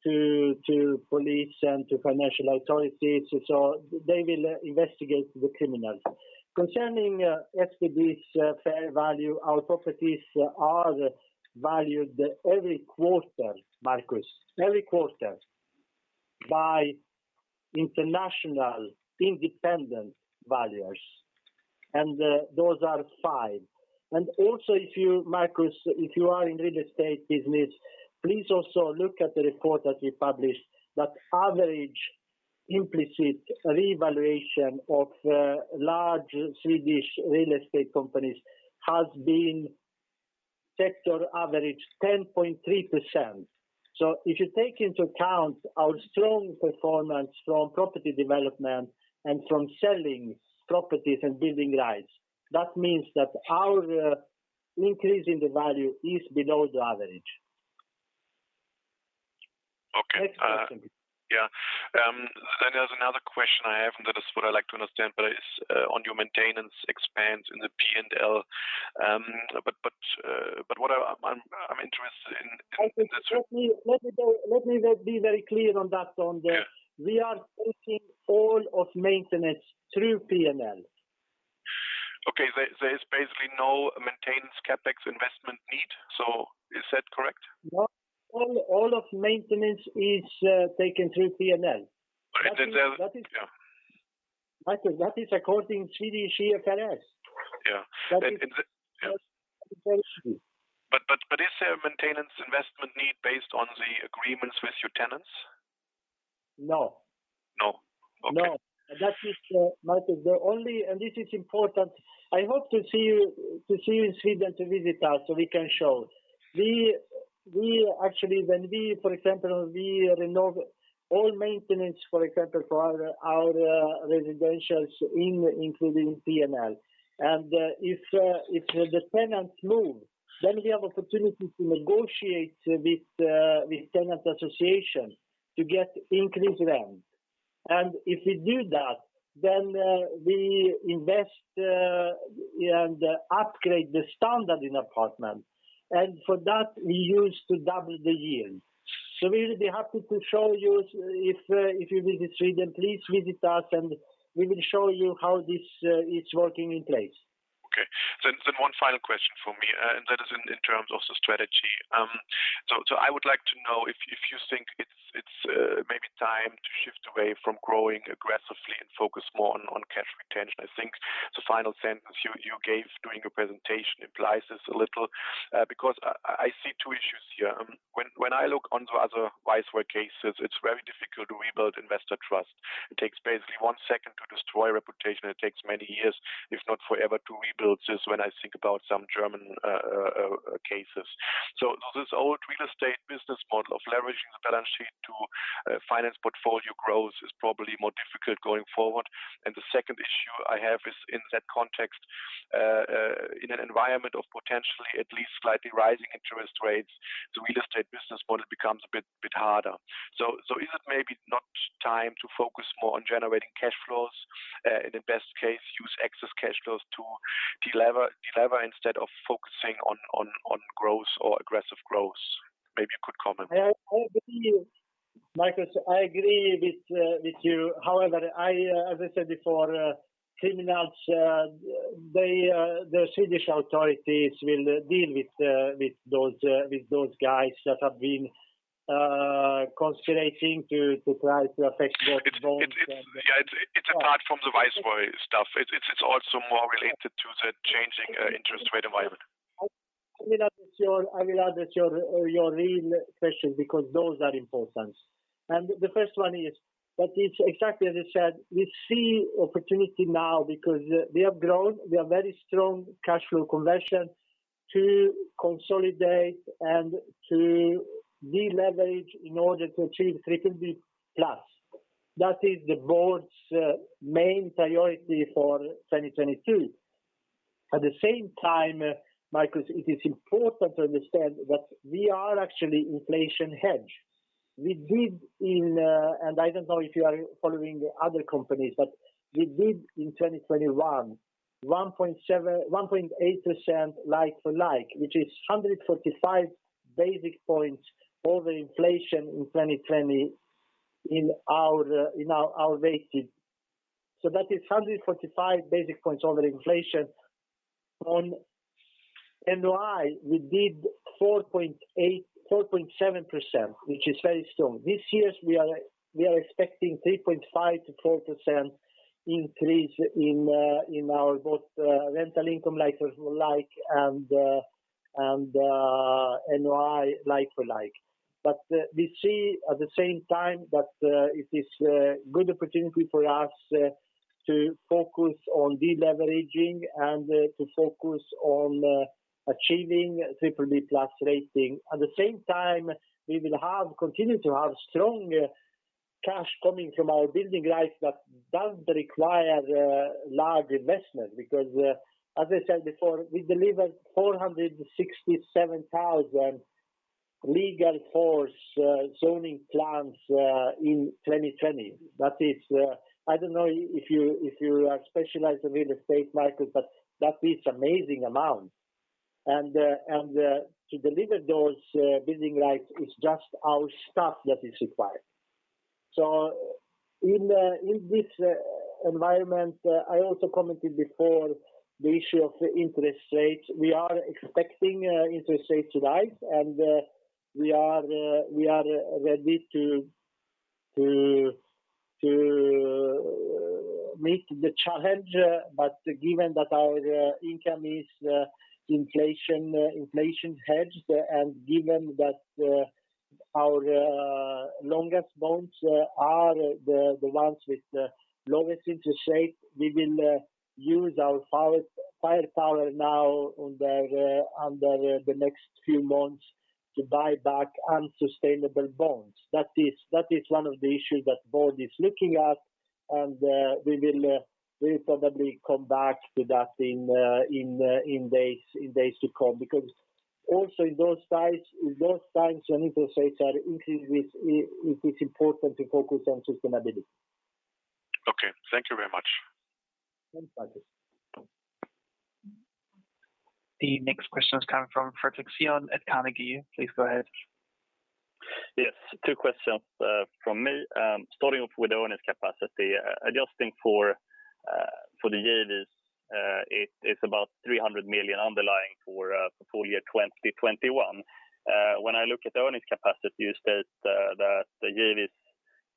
to police and to financial authorities, so they will investigate the criminals. Concerning SBB's fair value, our properties are valued every quarter, Marcus, every quarter by international independent valuers, and those are fine. Also, if you, Marcus, if you are in real estate business, please also look at the report that we published that average implicit revaluation of large Swedish real estate companies has been sector average 10.3%. If you take into account our strong performance from property development and from selling properties and building rights, that means that our increase in the value is below the average. Okay. Yeah. There's another question I have, and that is what I'd like to understand better is on your maintenance expense in the P&L. But what I'm intersested in- Marcus, let me be very clear on that one. Yeah. We are taking all of maintenance through P&L. Okay. There is basically no maintenance CapEx investment need. So is that correct? No. All of maintenance is taken through P&L. Is there? That is. Yeah. Marcus, that is according to IFRS. Yeah. That is just. is there a maintenance investment need based on the agreements with your tenants? No. No. Okay. No. That is, Marcus, the only. This is important. I hope to see you in Sweden to visit us, so we can show. We actually. When we, for example, renovate all maintenance, for example, for our residentials including P&L. If the tenants move, then we have opportunity to negotiate with tenant association to get increased rent. If we do that, then we invest and upgrade the standard in apartment. For that, we use to double the yield. We will be happy to show you if you visit Sweden. Please visit us, and we will show you how this is working in place. Okay. One final question from me, and that is in terms of the strategy. I would like to know if you think it's maybe time to shift away from growing aggressively and focus more on cash retention. I think the final sentence you gave during your presentation implies this a little, because I see two issues here. When I look into other Viceroy cases, it's very difficult to rebuild investor trust. It takes basically one second to destroy a reputation, and it takes many years, if not forever, to rebuild this when I think about some German cases. This old real estate business model of leveraging the balance sheet to finance portfolio growth is probably more difficult going forward. The second issue I have is in that context, in an environment of potentially at least slightly rising interest rates, the real estate business model becomes a bit harder. So is it maybe not time to focus more on generating cash flows, in the best case, use excess cash flows to delever instead of focusing on growth or aggressive growth? Maybe you could comment. Yeah. I agree. Marcus, I agree with you. However, as I said before, criminals, they, the Swedish authorities will deal with those guys that have been considering to try to affect the response and- It's yeah. It's apart from the Viceroy stuff. It's also more related to the changing interest rate environment. I will answer your real question because those are important. The first one is that it's exactly as I said. We see opportunity now because we have grown. We have very strong cash flow conversion to consolidate and to deleverage in order to achieve BBB+. That is the board's main priority for 2022. At the same time, Marcus, it is important to understand that we are actually inflation hedged. We did in and I don't know if you are following other companies, but we did in 2021, 1.8% like to like, which is 145 basis points over inflation in 2020 in our weighted. So that is 145 basis points over inflation. On NOI, we did 4.7%, which is very strong. This year we are expecting 3.5%-4% increase in our both rental income like for like and NOI like for like. We see at the same time that it is a good opportunity for us to focus on deleveraging and to focus on achieving BBB+ rating. At the same time, we will have continued to have strong cash coming from our building rights that doesn't require large investment because as I said before, we delivered 467,000 legal force zoning plans in 2020. That is I don't know if you are specialized in real estate, Marcus, but that is amazing amount. To deliver those building rights is just our staff that is required. In this environment, I also commented before the issue of interest rates. We are expecting interest rates to rise, and we are ready to meet the challenge, but given that our income is inflation hedged, and given that our longest bonds are the ones with the lowest interest rate, we will use our firepower over the next few months to buy back unsustainable bonds. That is one of the issues that board is looking at, and we will probably come back to that in days to come. Because in those times when interest rates are increased, it is important to focus on sustainability. Okay. Thank you very much. Thank you. The next question is coming from Fredric Cyon at Carnegie. Please go ahead. Yes, two questions from me. Starting off with the earnings capacity, adjusting for the JVs, it's about 300 million underlying for full year 2021. When I look at the earnings capacity, you state that the JVs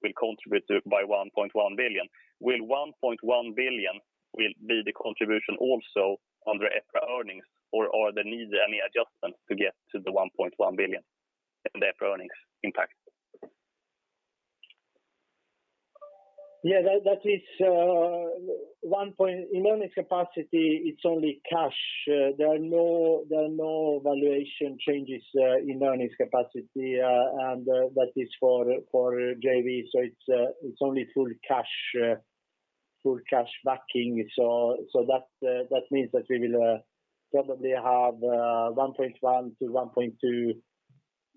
will contribute to it by 1.1 billion. Will 1.1 billion be the contribution also under EPRA earnings, or they need any adjustment to get to the 1.1 billion in the EPRA earnings impact? Yeah. That is one point. In earnings capacity, it's only cash. There are no valuation changes in earnings capacity, and that is for JVs. It's only full cash backing. That means that we will probably have 1.1 billion-1.2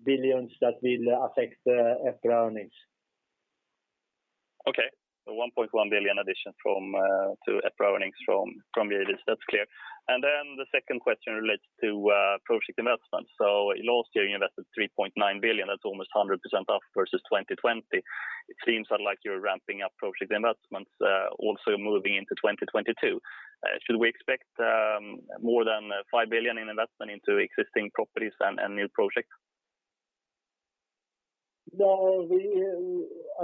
billion that will affect the EPRA earnings. Okay. One point one billion addition from to EPRA earnings from JVs. That's clear. The second question relates to project investments. In last year, you invested 3.9 billion. That's almost 100% up versus 2020. It seems that like you're ramping up project investments also moving into 2022. Should we expect more than 5 billion in investment into existing properties and new projects? No.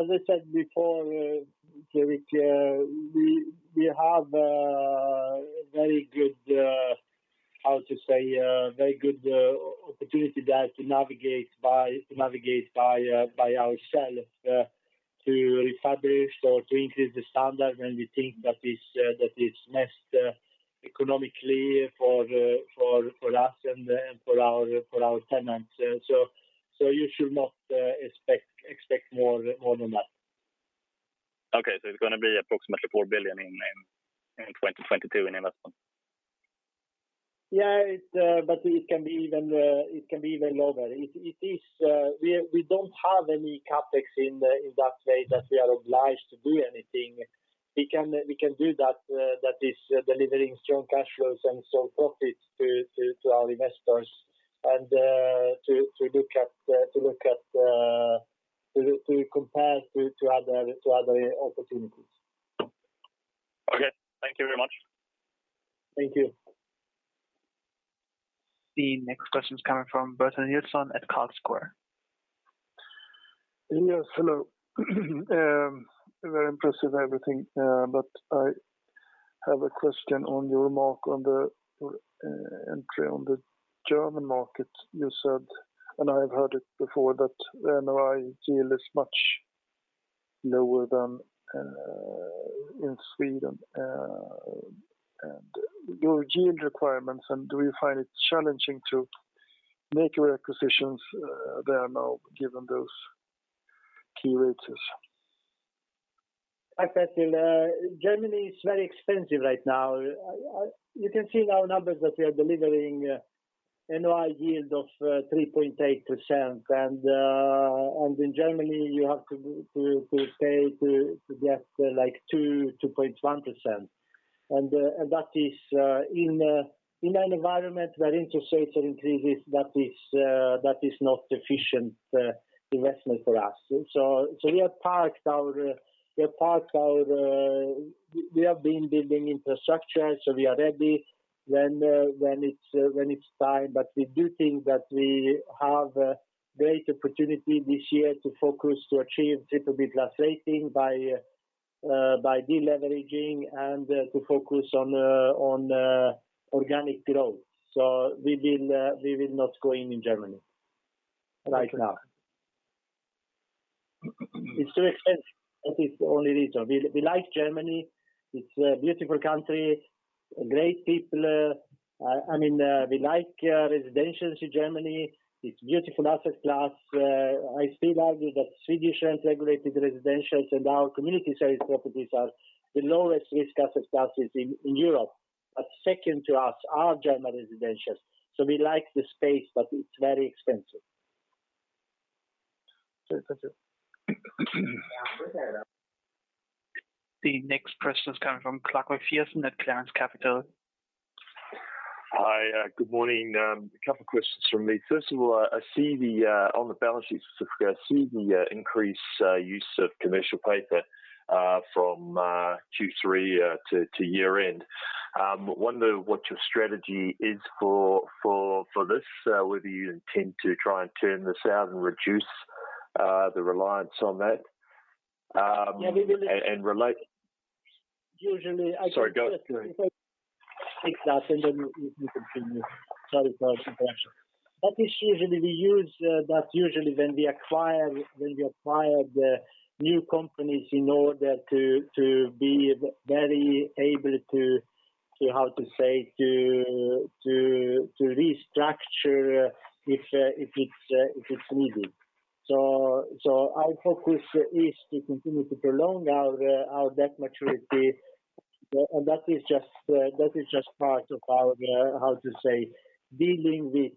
As I said before, Fredric, we have a very good opportunity there to navigate by ourselves to refurbish or to increase the standard when we think that is best economically for us and for our tenants. You should not expect more than that. Okay. It's gonna be approximately 4 billion in investment in 2022. Yeah. It's. It can be even lower. It is. We don't have any CapEx in that way that we are obliged to do anything. We can do that that is delivering strong cash flows and strong profits to our investors and to look at to compare to other opportunities. Okay. Thank you very much. Thank you. The next question is coming from Bertrand Hiltzon at Carlsquare. Yes. Hello. Very impressive everything, but I have a question on your remark on the entry on the German market. You said, and I have heard it before, that NOI yield is much lower than in Sweden and your yield requirements. Do you find it challenging to make your acquisitions there now given those key rates? Hi, Bertrand. Germany is very expensive right now. You can see in our numbers that we are delivering a NOI yield of 3.8%. In Germany you have to pay to get like 2.1%. That is in an environment where interest rates are increasing. That is not efficient investment for us. We have parked our. We have been building infrastructure, so we are ready when it's time. We do think that we have a great opportunity this year to focus to achieve BBB+ rating by deleveraging and to focus on organic growth. We will not go in Germany right now. Okay. It's too expensive. That is the only reason. We like Germany. It's a beautiful country, great people. I mean, we like residentials in Germany. It's beautiful asset class. I still argue that Swedish rent-regulated residentials and our community-based properties are the lowest risk asset classes in Europe. Second to us are German residentials. We like the space, but it's very expensive. That's it. The next question is coming from Clark McPherson at Clearance Capital. Hi. Good morning. A couple questions from me. First of all, I see on the balance sheet, specifically, the increased use of commercial paper from Q3 to year-end. I wonder what your strategy is for this, whether you intend to try and turn this out and reduce the reliance on that, and relate- Usually I- Sorry, go. Sorry. If I fix that and then you continue. Sorry for the interruption. That usually when we acquire the new companies in order to be very able to restructure if it's needed. Our focus is to continue to prolong our debt maturity. That is just part of our dealing with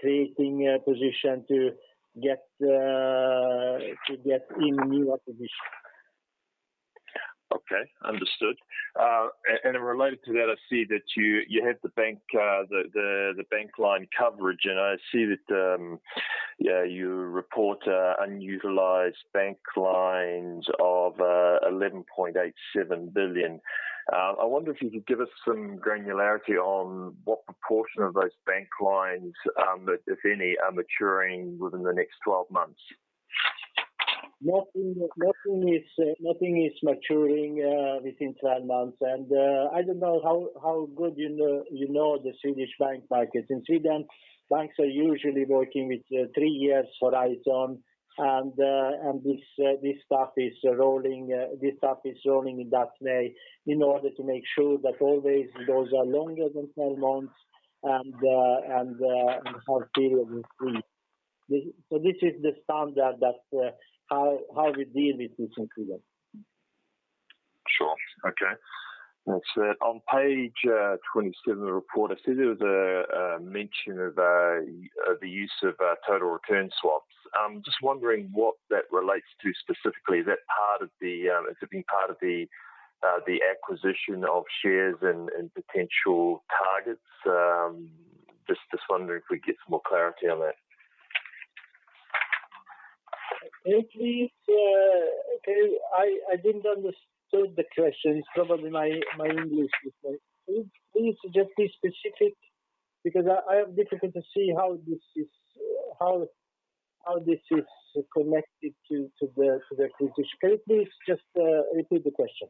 creating a position to get in new acquisition. Okay. Understood. Related to that, I see that you had the bank line coverage, and I see that you report unutilized bank lines of 11.87 billion. I wonder if you could give us some granularity on what proportion of those bank lines, if any, are maturing within the next 12 months. Nothing is maturing within 12 months. I don't know how good you know the Swedish bank market. In Sweden, banks are usually working with 3 years horizon and this stuff is rolling in that way in order to make sure that always those are longer than 12 months and have period of 3. So this is the standard that how we deal with this in Sweden. Sure. Okay. That's it. On page 27 of the report, I see there was a mention of the use of total return swaps. I'm just wondering what that relates to specifically. Is that part of the, is it part of the acquisition of shares and potential targets? Just wondering if we could get some more clarity on that. Can you please. Okay. I didn't understand the question. It's probably my English is not. Please just be specific because I have difficulty to see how this is connected to the acquisition. Can you please just repeat the question?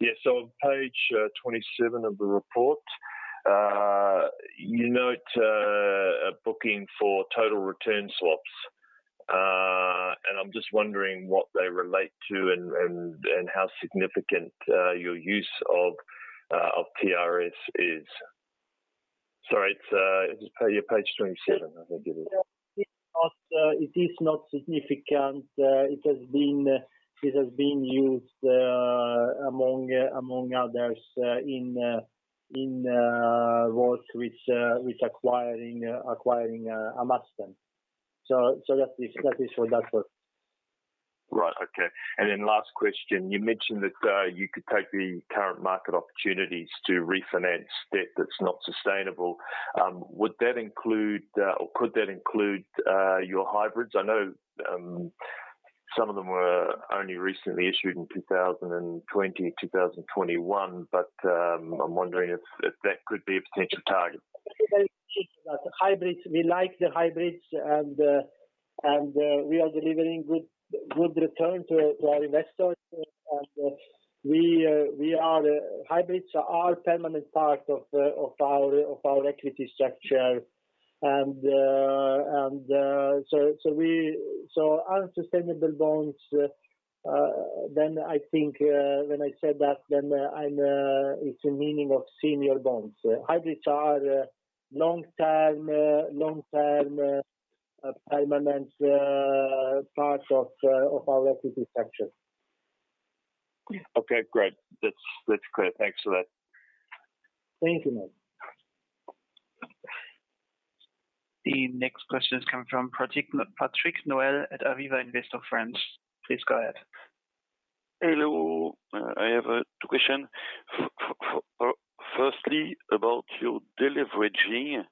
Yeah. On page 27 of the report, you note a booking for total return swaps. I'm just wondering what they relate to and how significant your use of TRS is. Sorry, it's just page 27 I think it is. It's not significant. It has been used among others in roles which acquiring Amasten. That is for that one. Right. Okay. Then last question, you mentioned that you could take the current market opportunities to refinance debt that's not sustainable. Would that include or could that include your hybrids? I know some of them were only recently issued in 2020, 2021, but I'm wondering if that could be a potential target. Hybrids, we like the hybrids and we are delivering good return to our investors. Hybrids are permanent part of our equity structure. Unsecured bonds, then I think when I said that, then I mean it means senior bonds. Hybrids are long-term permanent part of our equity structure. Okay, great. That's clear. Thanks for that. Thank you, Clark. The next question is coming from Patrick Noel at Aviva Investors France. Please go ahead. Hello. I have two question. Firstly, about your deleveraging.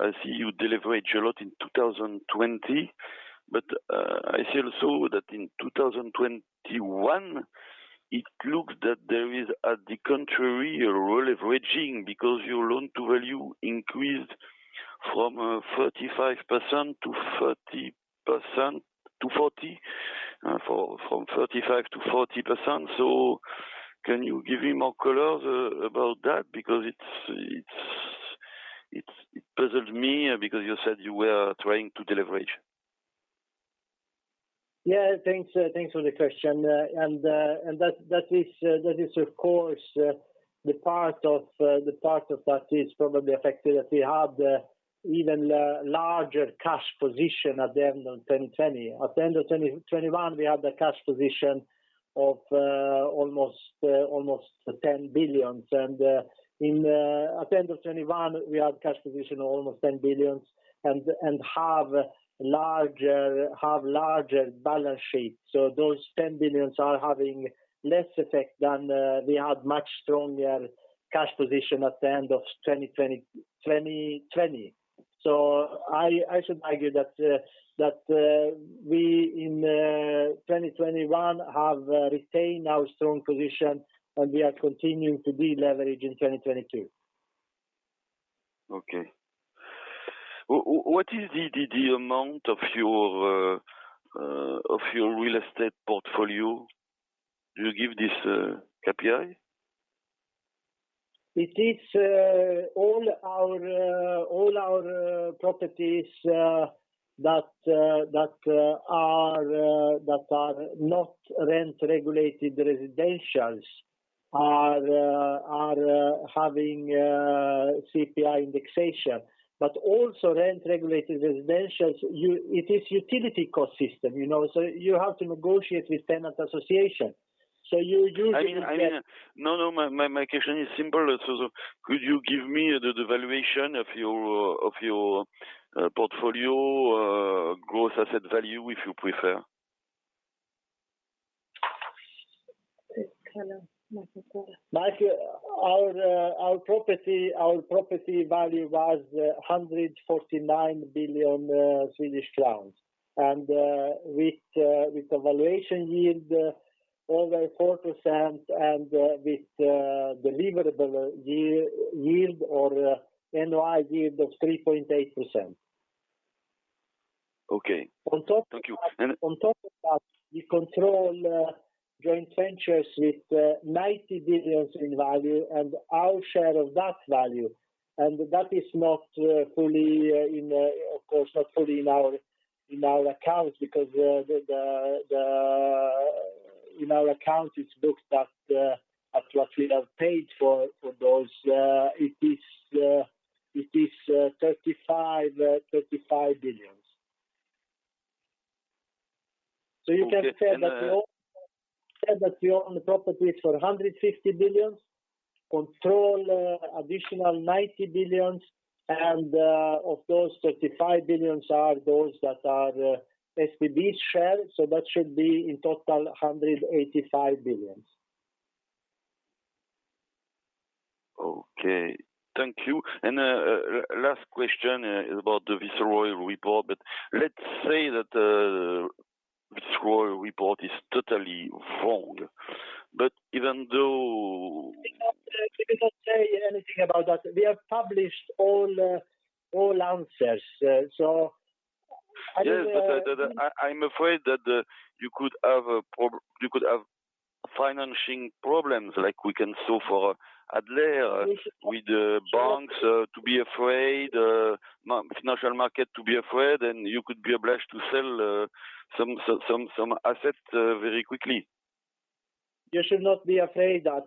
I see you deleveraged a lot in 2020, but I see also that in 2021, it looks that there is, at the contrary, you're releveraging because your loan to value increased from 35% to 30% to 40. From 35 to 40%. Can you give me more colors about that? Because it puzzled me because you said you were trying to deleverage. Yeah, thanks. Thanks for the question. That is of course the part of that is probably affected that we had even a larger cash position at the end of 2020. At the end of 2021, we had a cash position of almost 10 billion. At the end of 2021, we had cash position of almost 10 billion and have larger balance sheet. Those 10 billion are having less effect than we had much stronger cash position at the end of 2020. I should argue that we in 2021 have retained our strong position, and we are continuing to deleverage in 2022. Okay. What is the amount of your real estate portfolio? Do you give this KPI? It is all our properties that are not rent regulated residentials are having CPI indexation, but also rent regulated residentials. It is utility cost system, you know. So you have to negotiate with tenant association. So you usually get- I mean, no, my question is simple. It's also could you give me the valuation of your portfolio, gross asset value, if you prefer? Our property value was 149 billion Swedish crowns. With the valuation yield over 4% and with the delivered yield or NOI yield of 3.8%. Okay. On top of that. Thank you. On top of that, we control joint ventures with 90 billion in value and our share of that value. That is not fully, of course, not fully in our accounts because in our accounts it's booked at what we have paid for those. It is SEK 35 billion. You can say that we own the property for 150 billion, control additional 90 billion, and of those 35 billion are those that are SBB's share, so that should be in total 185 billion. Okay. Thank you. Last question is about the Viceroy report. Let's say that Viceroy report is totally wrong. Even though- We cannot say anything about that. We have published all answers. I mean- I'm afraid that you could have financing problems like we can see for Adler with the banks and the financial market, and you could be obliged to sell some assets very quickly. You should not be afraid that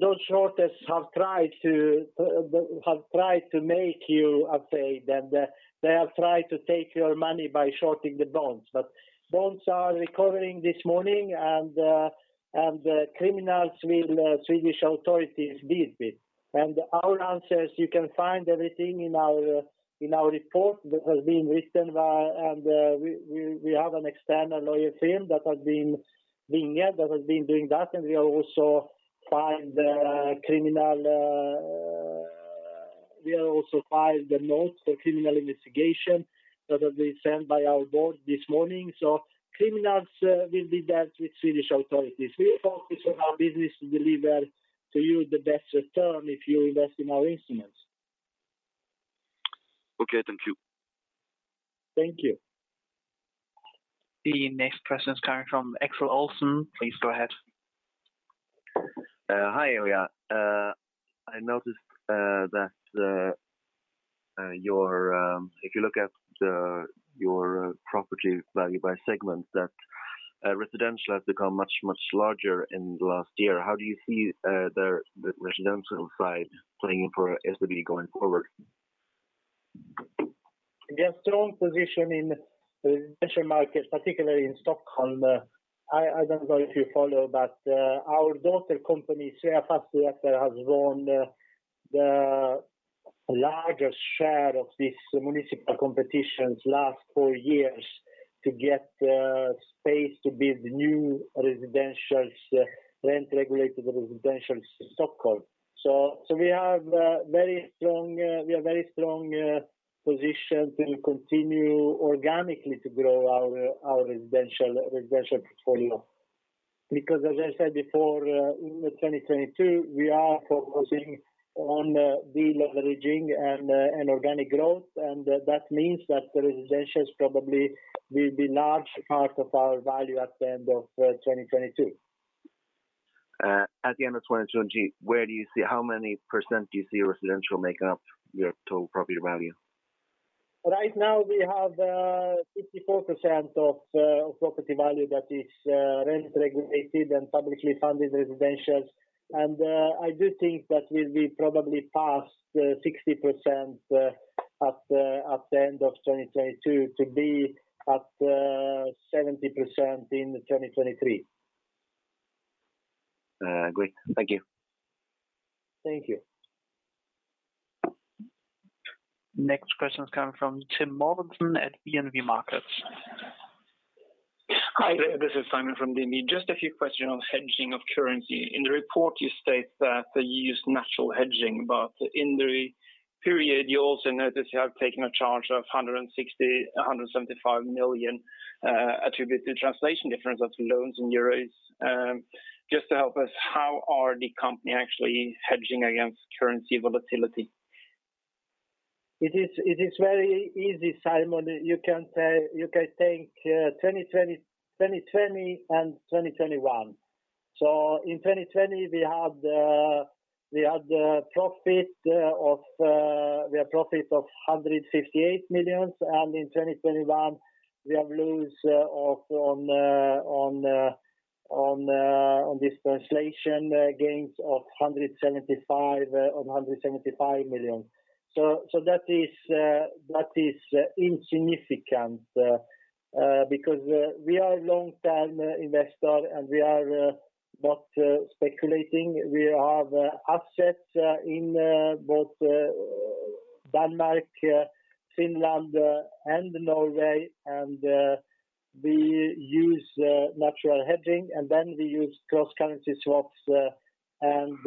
those shorters have tried to make you afraid. They have tried to take your money by shorting the bonds. Bonds are recovering this morning and the criminals will be dealt with by Swedish authorities. Our answers, you can find everything in our report that has been written by an external law firm that has been there, that has been doing that. We also find the criminal. We have also filed the note for criminal investigation that will be sent by our board this morning. Criminals will be dealt with by Swedish authorities. We focus on our business to deliver to you the best return if you invest in our instruments. Okay. Thank you. Thank you. The next question is coming from Axel Stenbeck. Please go ahead. Hi, Ilija. I noticed that if you look at your property value by segment, residential has become much larger in the last year. How do you see the residential side playing for SBB going forward? We have strong position in residential markets, particularly in Stockholm. I don't know if you follow, but our daughter company, Sveafastigheter, has won the largest share of these municipal competitions last four years to get space to build new residentials, rent regulated residentials in Stockholm. We have a very strong position to continue organically to grow our residential portfolio. Because as I said before, in 2022, we are focusing on deleveraging and organic growth, and that means that the residentials probably will be large part of our value at the end of 2022. At the end of 2022, how many % do you see residential make up your total property value? Right now we have 54% of property value that is rent regulated and publicly funded residentials. I do think that we'll be probably past 60% at the end of 2022, to be at 70% in 2023. Great. Thank you. Thank you. Next question is coming from Tim Mortensen at DNB Markets. Hi, this is Simon from DNB. Just a few questions on hedging of currency. In the report you state that you use natural hedging, but in the period you also notice you have taken a charge of 175 million attributed to translation difference of loans in euros. Just to help us, how are the company actually hedging against currency volatility? It is very easy, Simon. You can think 2020 and 2021. In 2020 we had profit of 158 million. In 2021 we had loss on this translation gains of 175 million. That is insignificant because we are a long-term investor and we are not speculating. We have assets in both Denmark, Finland, and Norway. We use natural hedging, and then we use cross-currency swaps and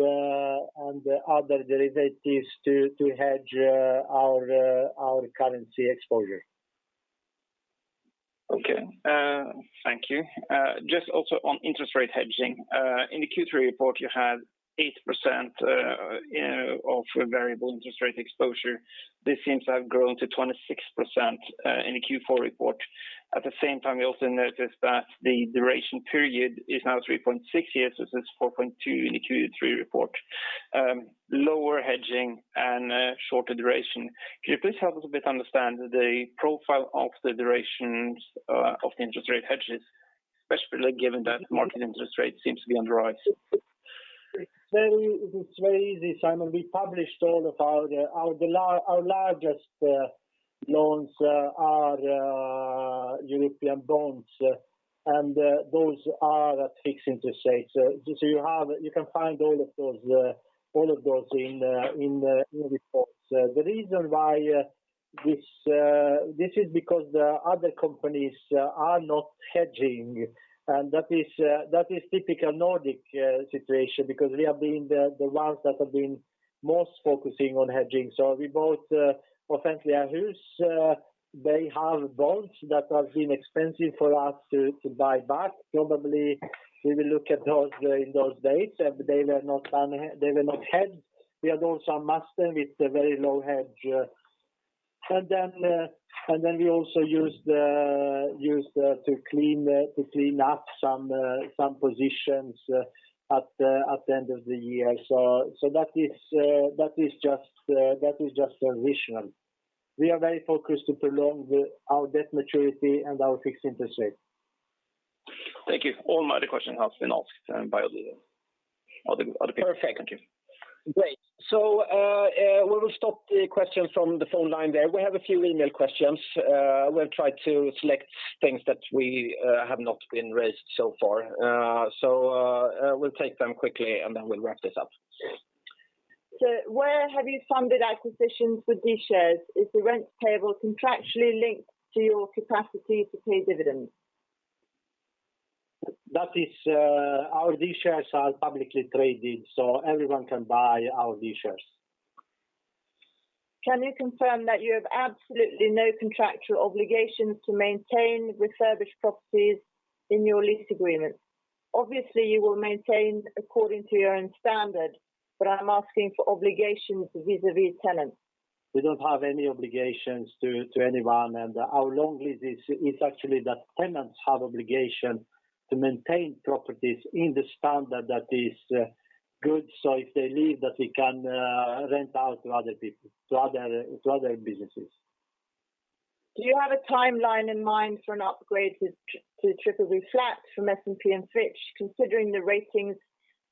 other derivatives to hedge our currency exposure. Okay. Thank you. Just also on interest rate hedging. In the Q3 report you had 8% of variable interest rate exposure. This seems to have grown to 26% in the Q4 report. At the same time we also noticed that the duration period is now 3.6 years versus 4.2 in the Q3 report. Lower hedging and shorter duration. Can you please help us a bit understand the profile of the durations of the interest rate hedges, especially given that market interest rates seems to be on the rise? It's very easy, Simon. We published all of our largest loans are European bonds, and those are at fixed interest rates. You can find all of those in reports. The reason why this is because the other companies are not hedging. That is typical Nordic situation because we have been the ones that have been most focusing on hedging. We bought Offentliga Hus. They have bonds that have been expensive for us to buy back. Probably we will look at those in dates, and they were not hedged. We had also a master with a very low hedge, and then we also used to clean up some positions at the end of the year. That is just traditional. We are very focused to prolong our debt maturity and our fixed interest rate. Thank you. All my other question has been asked by other people. Perfect. Thank you. Great. We will stop the questions from the phone line there. We have a few email questions. We'll try to select things that we have not been raised so far. We'll take them quickly, and then we'll wrap this up. Where have you funded acquisitions with B shares? Is the rent payable contractually linked to your capacity to pay dividends? That is, our B shares are publicly traded, so everyone can buy our B shares. Can you confirm that you have absolutely no contractual obligations to maintain refurbished properties in your lease agreement? Obviously, you will maintain according to your own standard, but I'm asking for obligations vis-à-vis tenants. We don't have any obligations to anyone. Our long lease is actually that tenants have obligation to maintain properties in the standard that is good. If they leave that we can rent out to other people to other businesses. Do you have a timeline in mind for an upgrade to BBB from S&P and Fitch, considering the ratings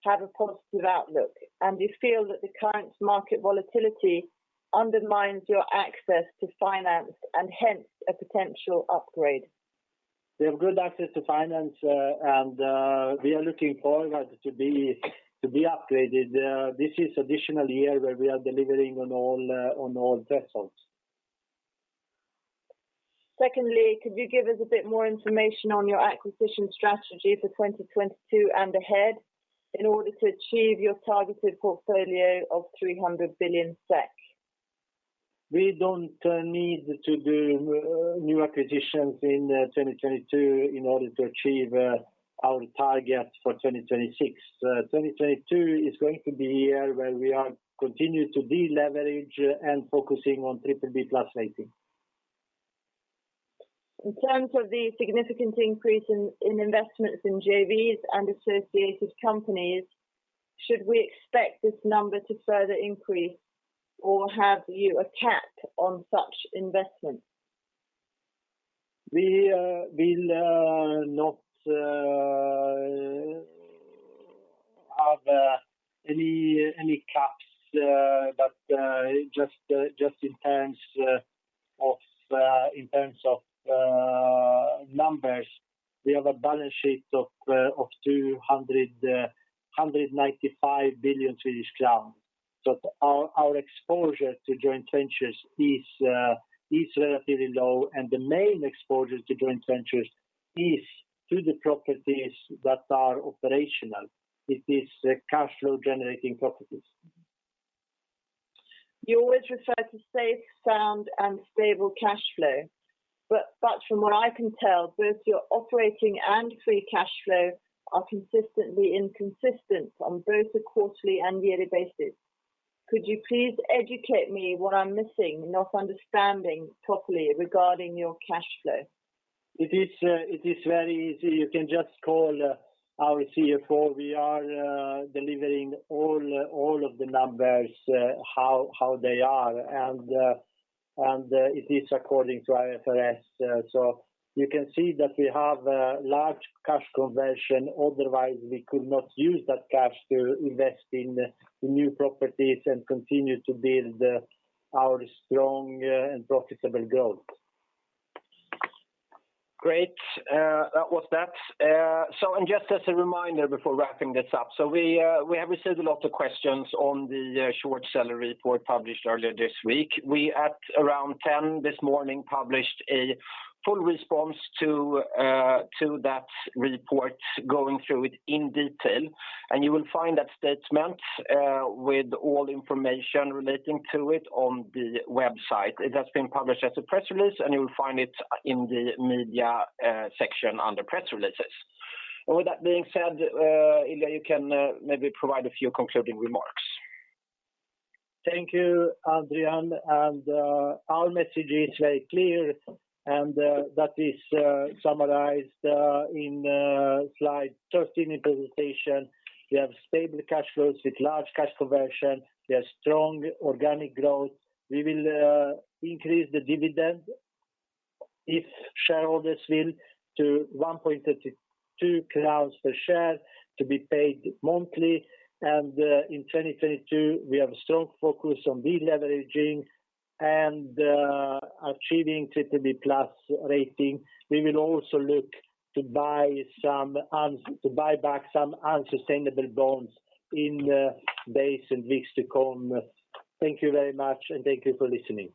have a positive outlook? And do you feel that the current market volatility undermines your access to finance and hence a potential upgrade? We have good access to finance, and we are looking forward to be upgraded. This is an additional year where we are delivering on all thresholds. Secondly, could you give us a bit more information on your acquisition strategy for 2022 and ahead in order to achieve your targeted portfolio of 300 billion SEK? We don't need to do new acquisitions in 2022 in order to achieve our target for 2026. 2022 is going to be a year where we continue to deleverage and focus on BBB+ rating. In terms of the significant increase in investments in JVs and associated companies, should we expect this number to further increase or have you a cap on such investments? We will not have any caps, but just in terms of numbers, we have a balance sheet of 295 billion Swedish crowns. Our exposure to joint ventures is relatively low, and the main exposure to joint ventures is through the properties that are operational. It is cash flow generating properties. You always refer to safe, sound, and stable cash flow. From what I can tell, both your operating and free cash flow are consistently inconsistent on both a quarterly and yearly basis. Could you please educate me what I'm missing, not understanding properly regarding your cash flow? It is very easy. You can just call our CFO. We are delivering all of the numbers how they are, and it is according to IFRS. So you can see that we have a large cash conversion, otherwise we could not use that cash to invest in the new properties and continue to build our strong and profitable growth. Great. That was that. Just as a reminder before wrapping this up, we have received a lot of questions on the short-seller report published earlier this week. We at around ten this morning published a full response to that report, going through it in detail. You will find that statement with all information relating to it on the website. It has been published as a press release, and you will find it in the media section under press releases. With that being said, Ilija, you can maybe provide a few concluding remarks. Thank you, Adrian. Our message is very clear, and that is summarized in slide 13 in presentation. We have stable cash flows with large cash conversion. We have strong organic growth. We will increase the dividend if shareholders will to 1.32 crowns per share to be paid monthly. In 2022, we have a strong focus on deleveraging and achieving BBB+ rating. We will also look to buy back some unsustainable bonds in the days and weeks to come. Thank you very much, and thank you for listening.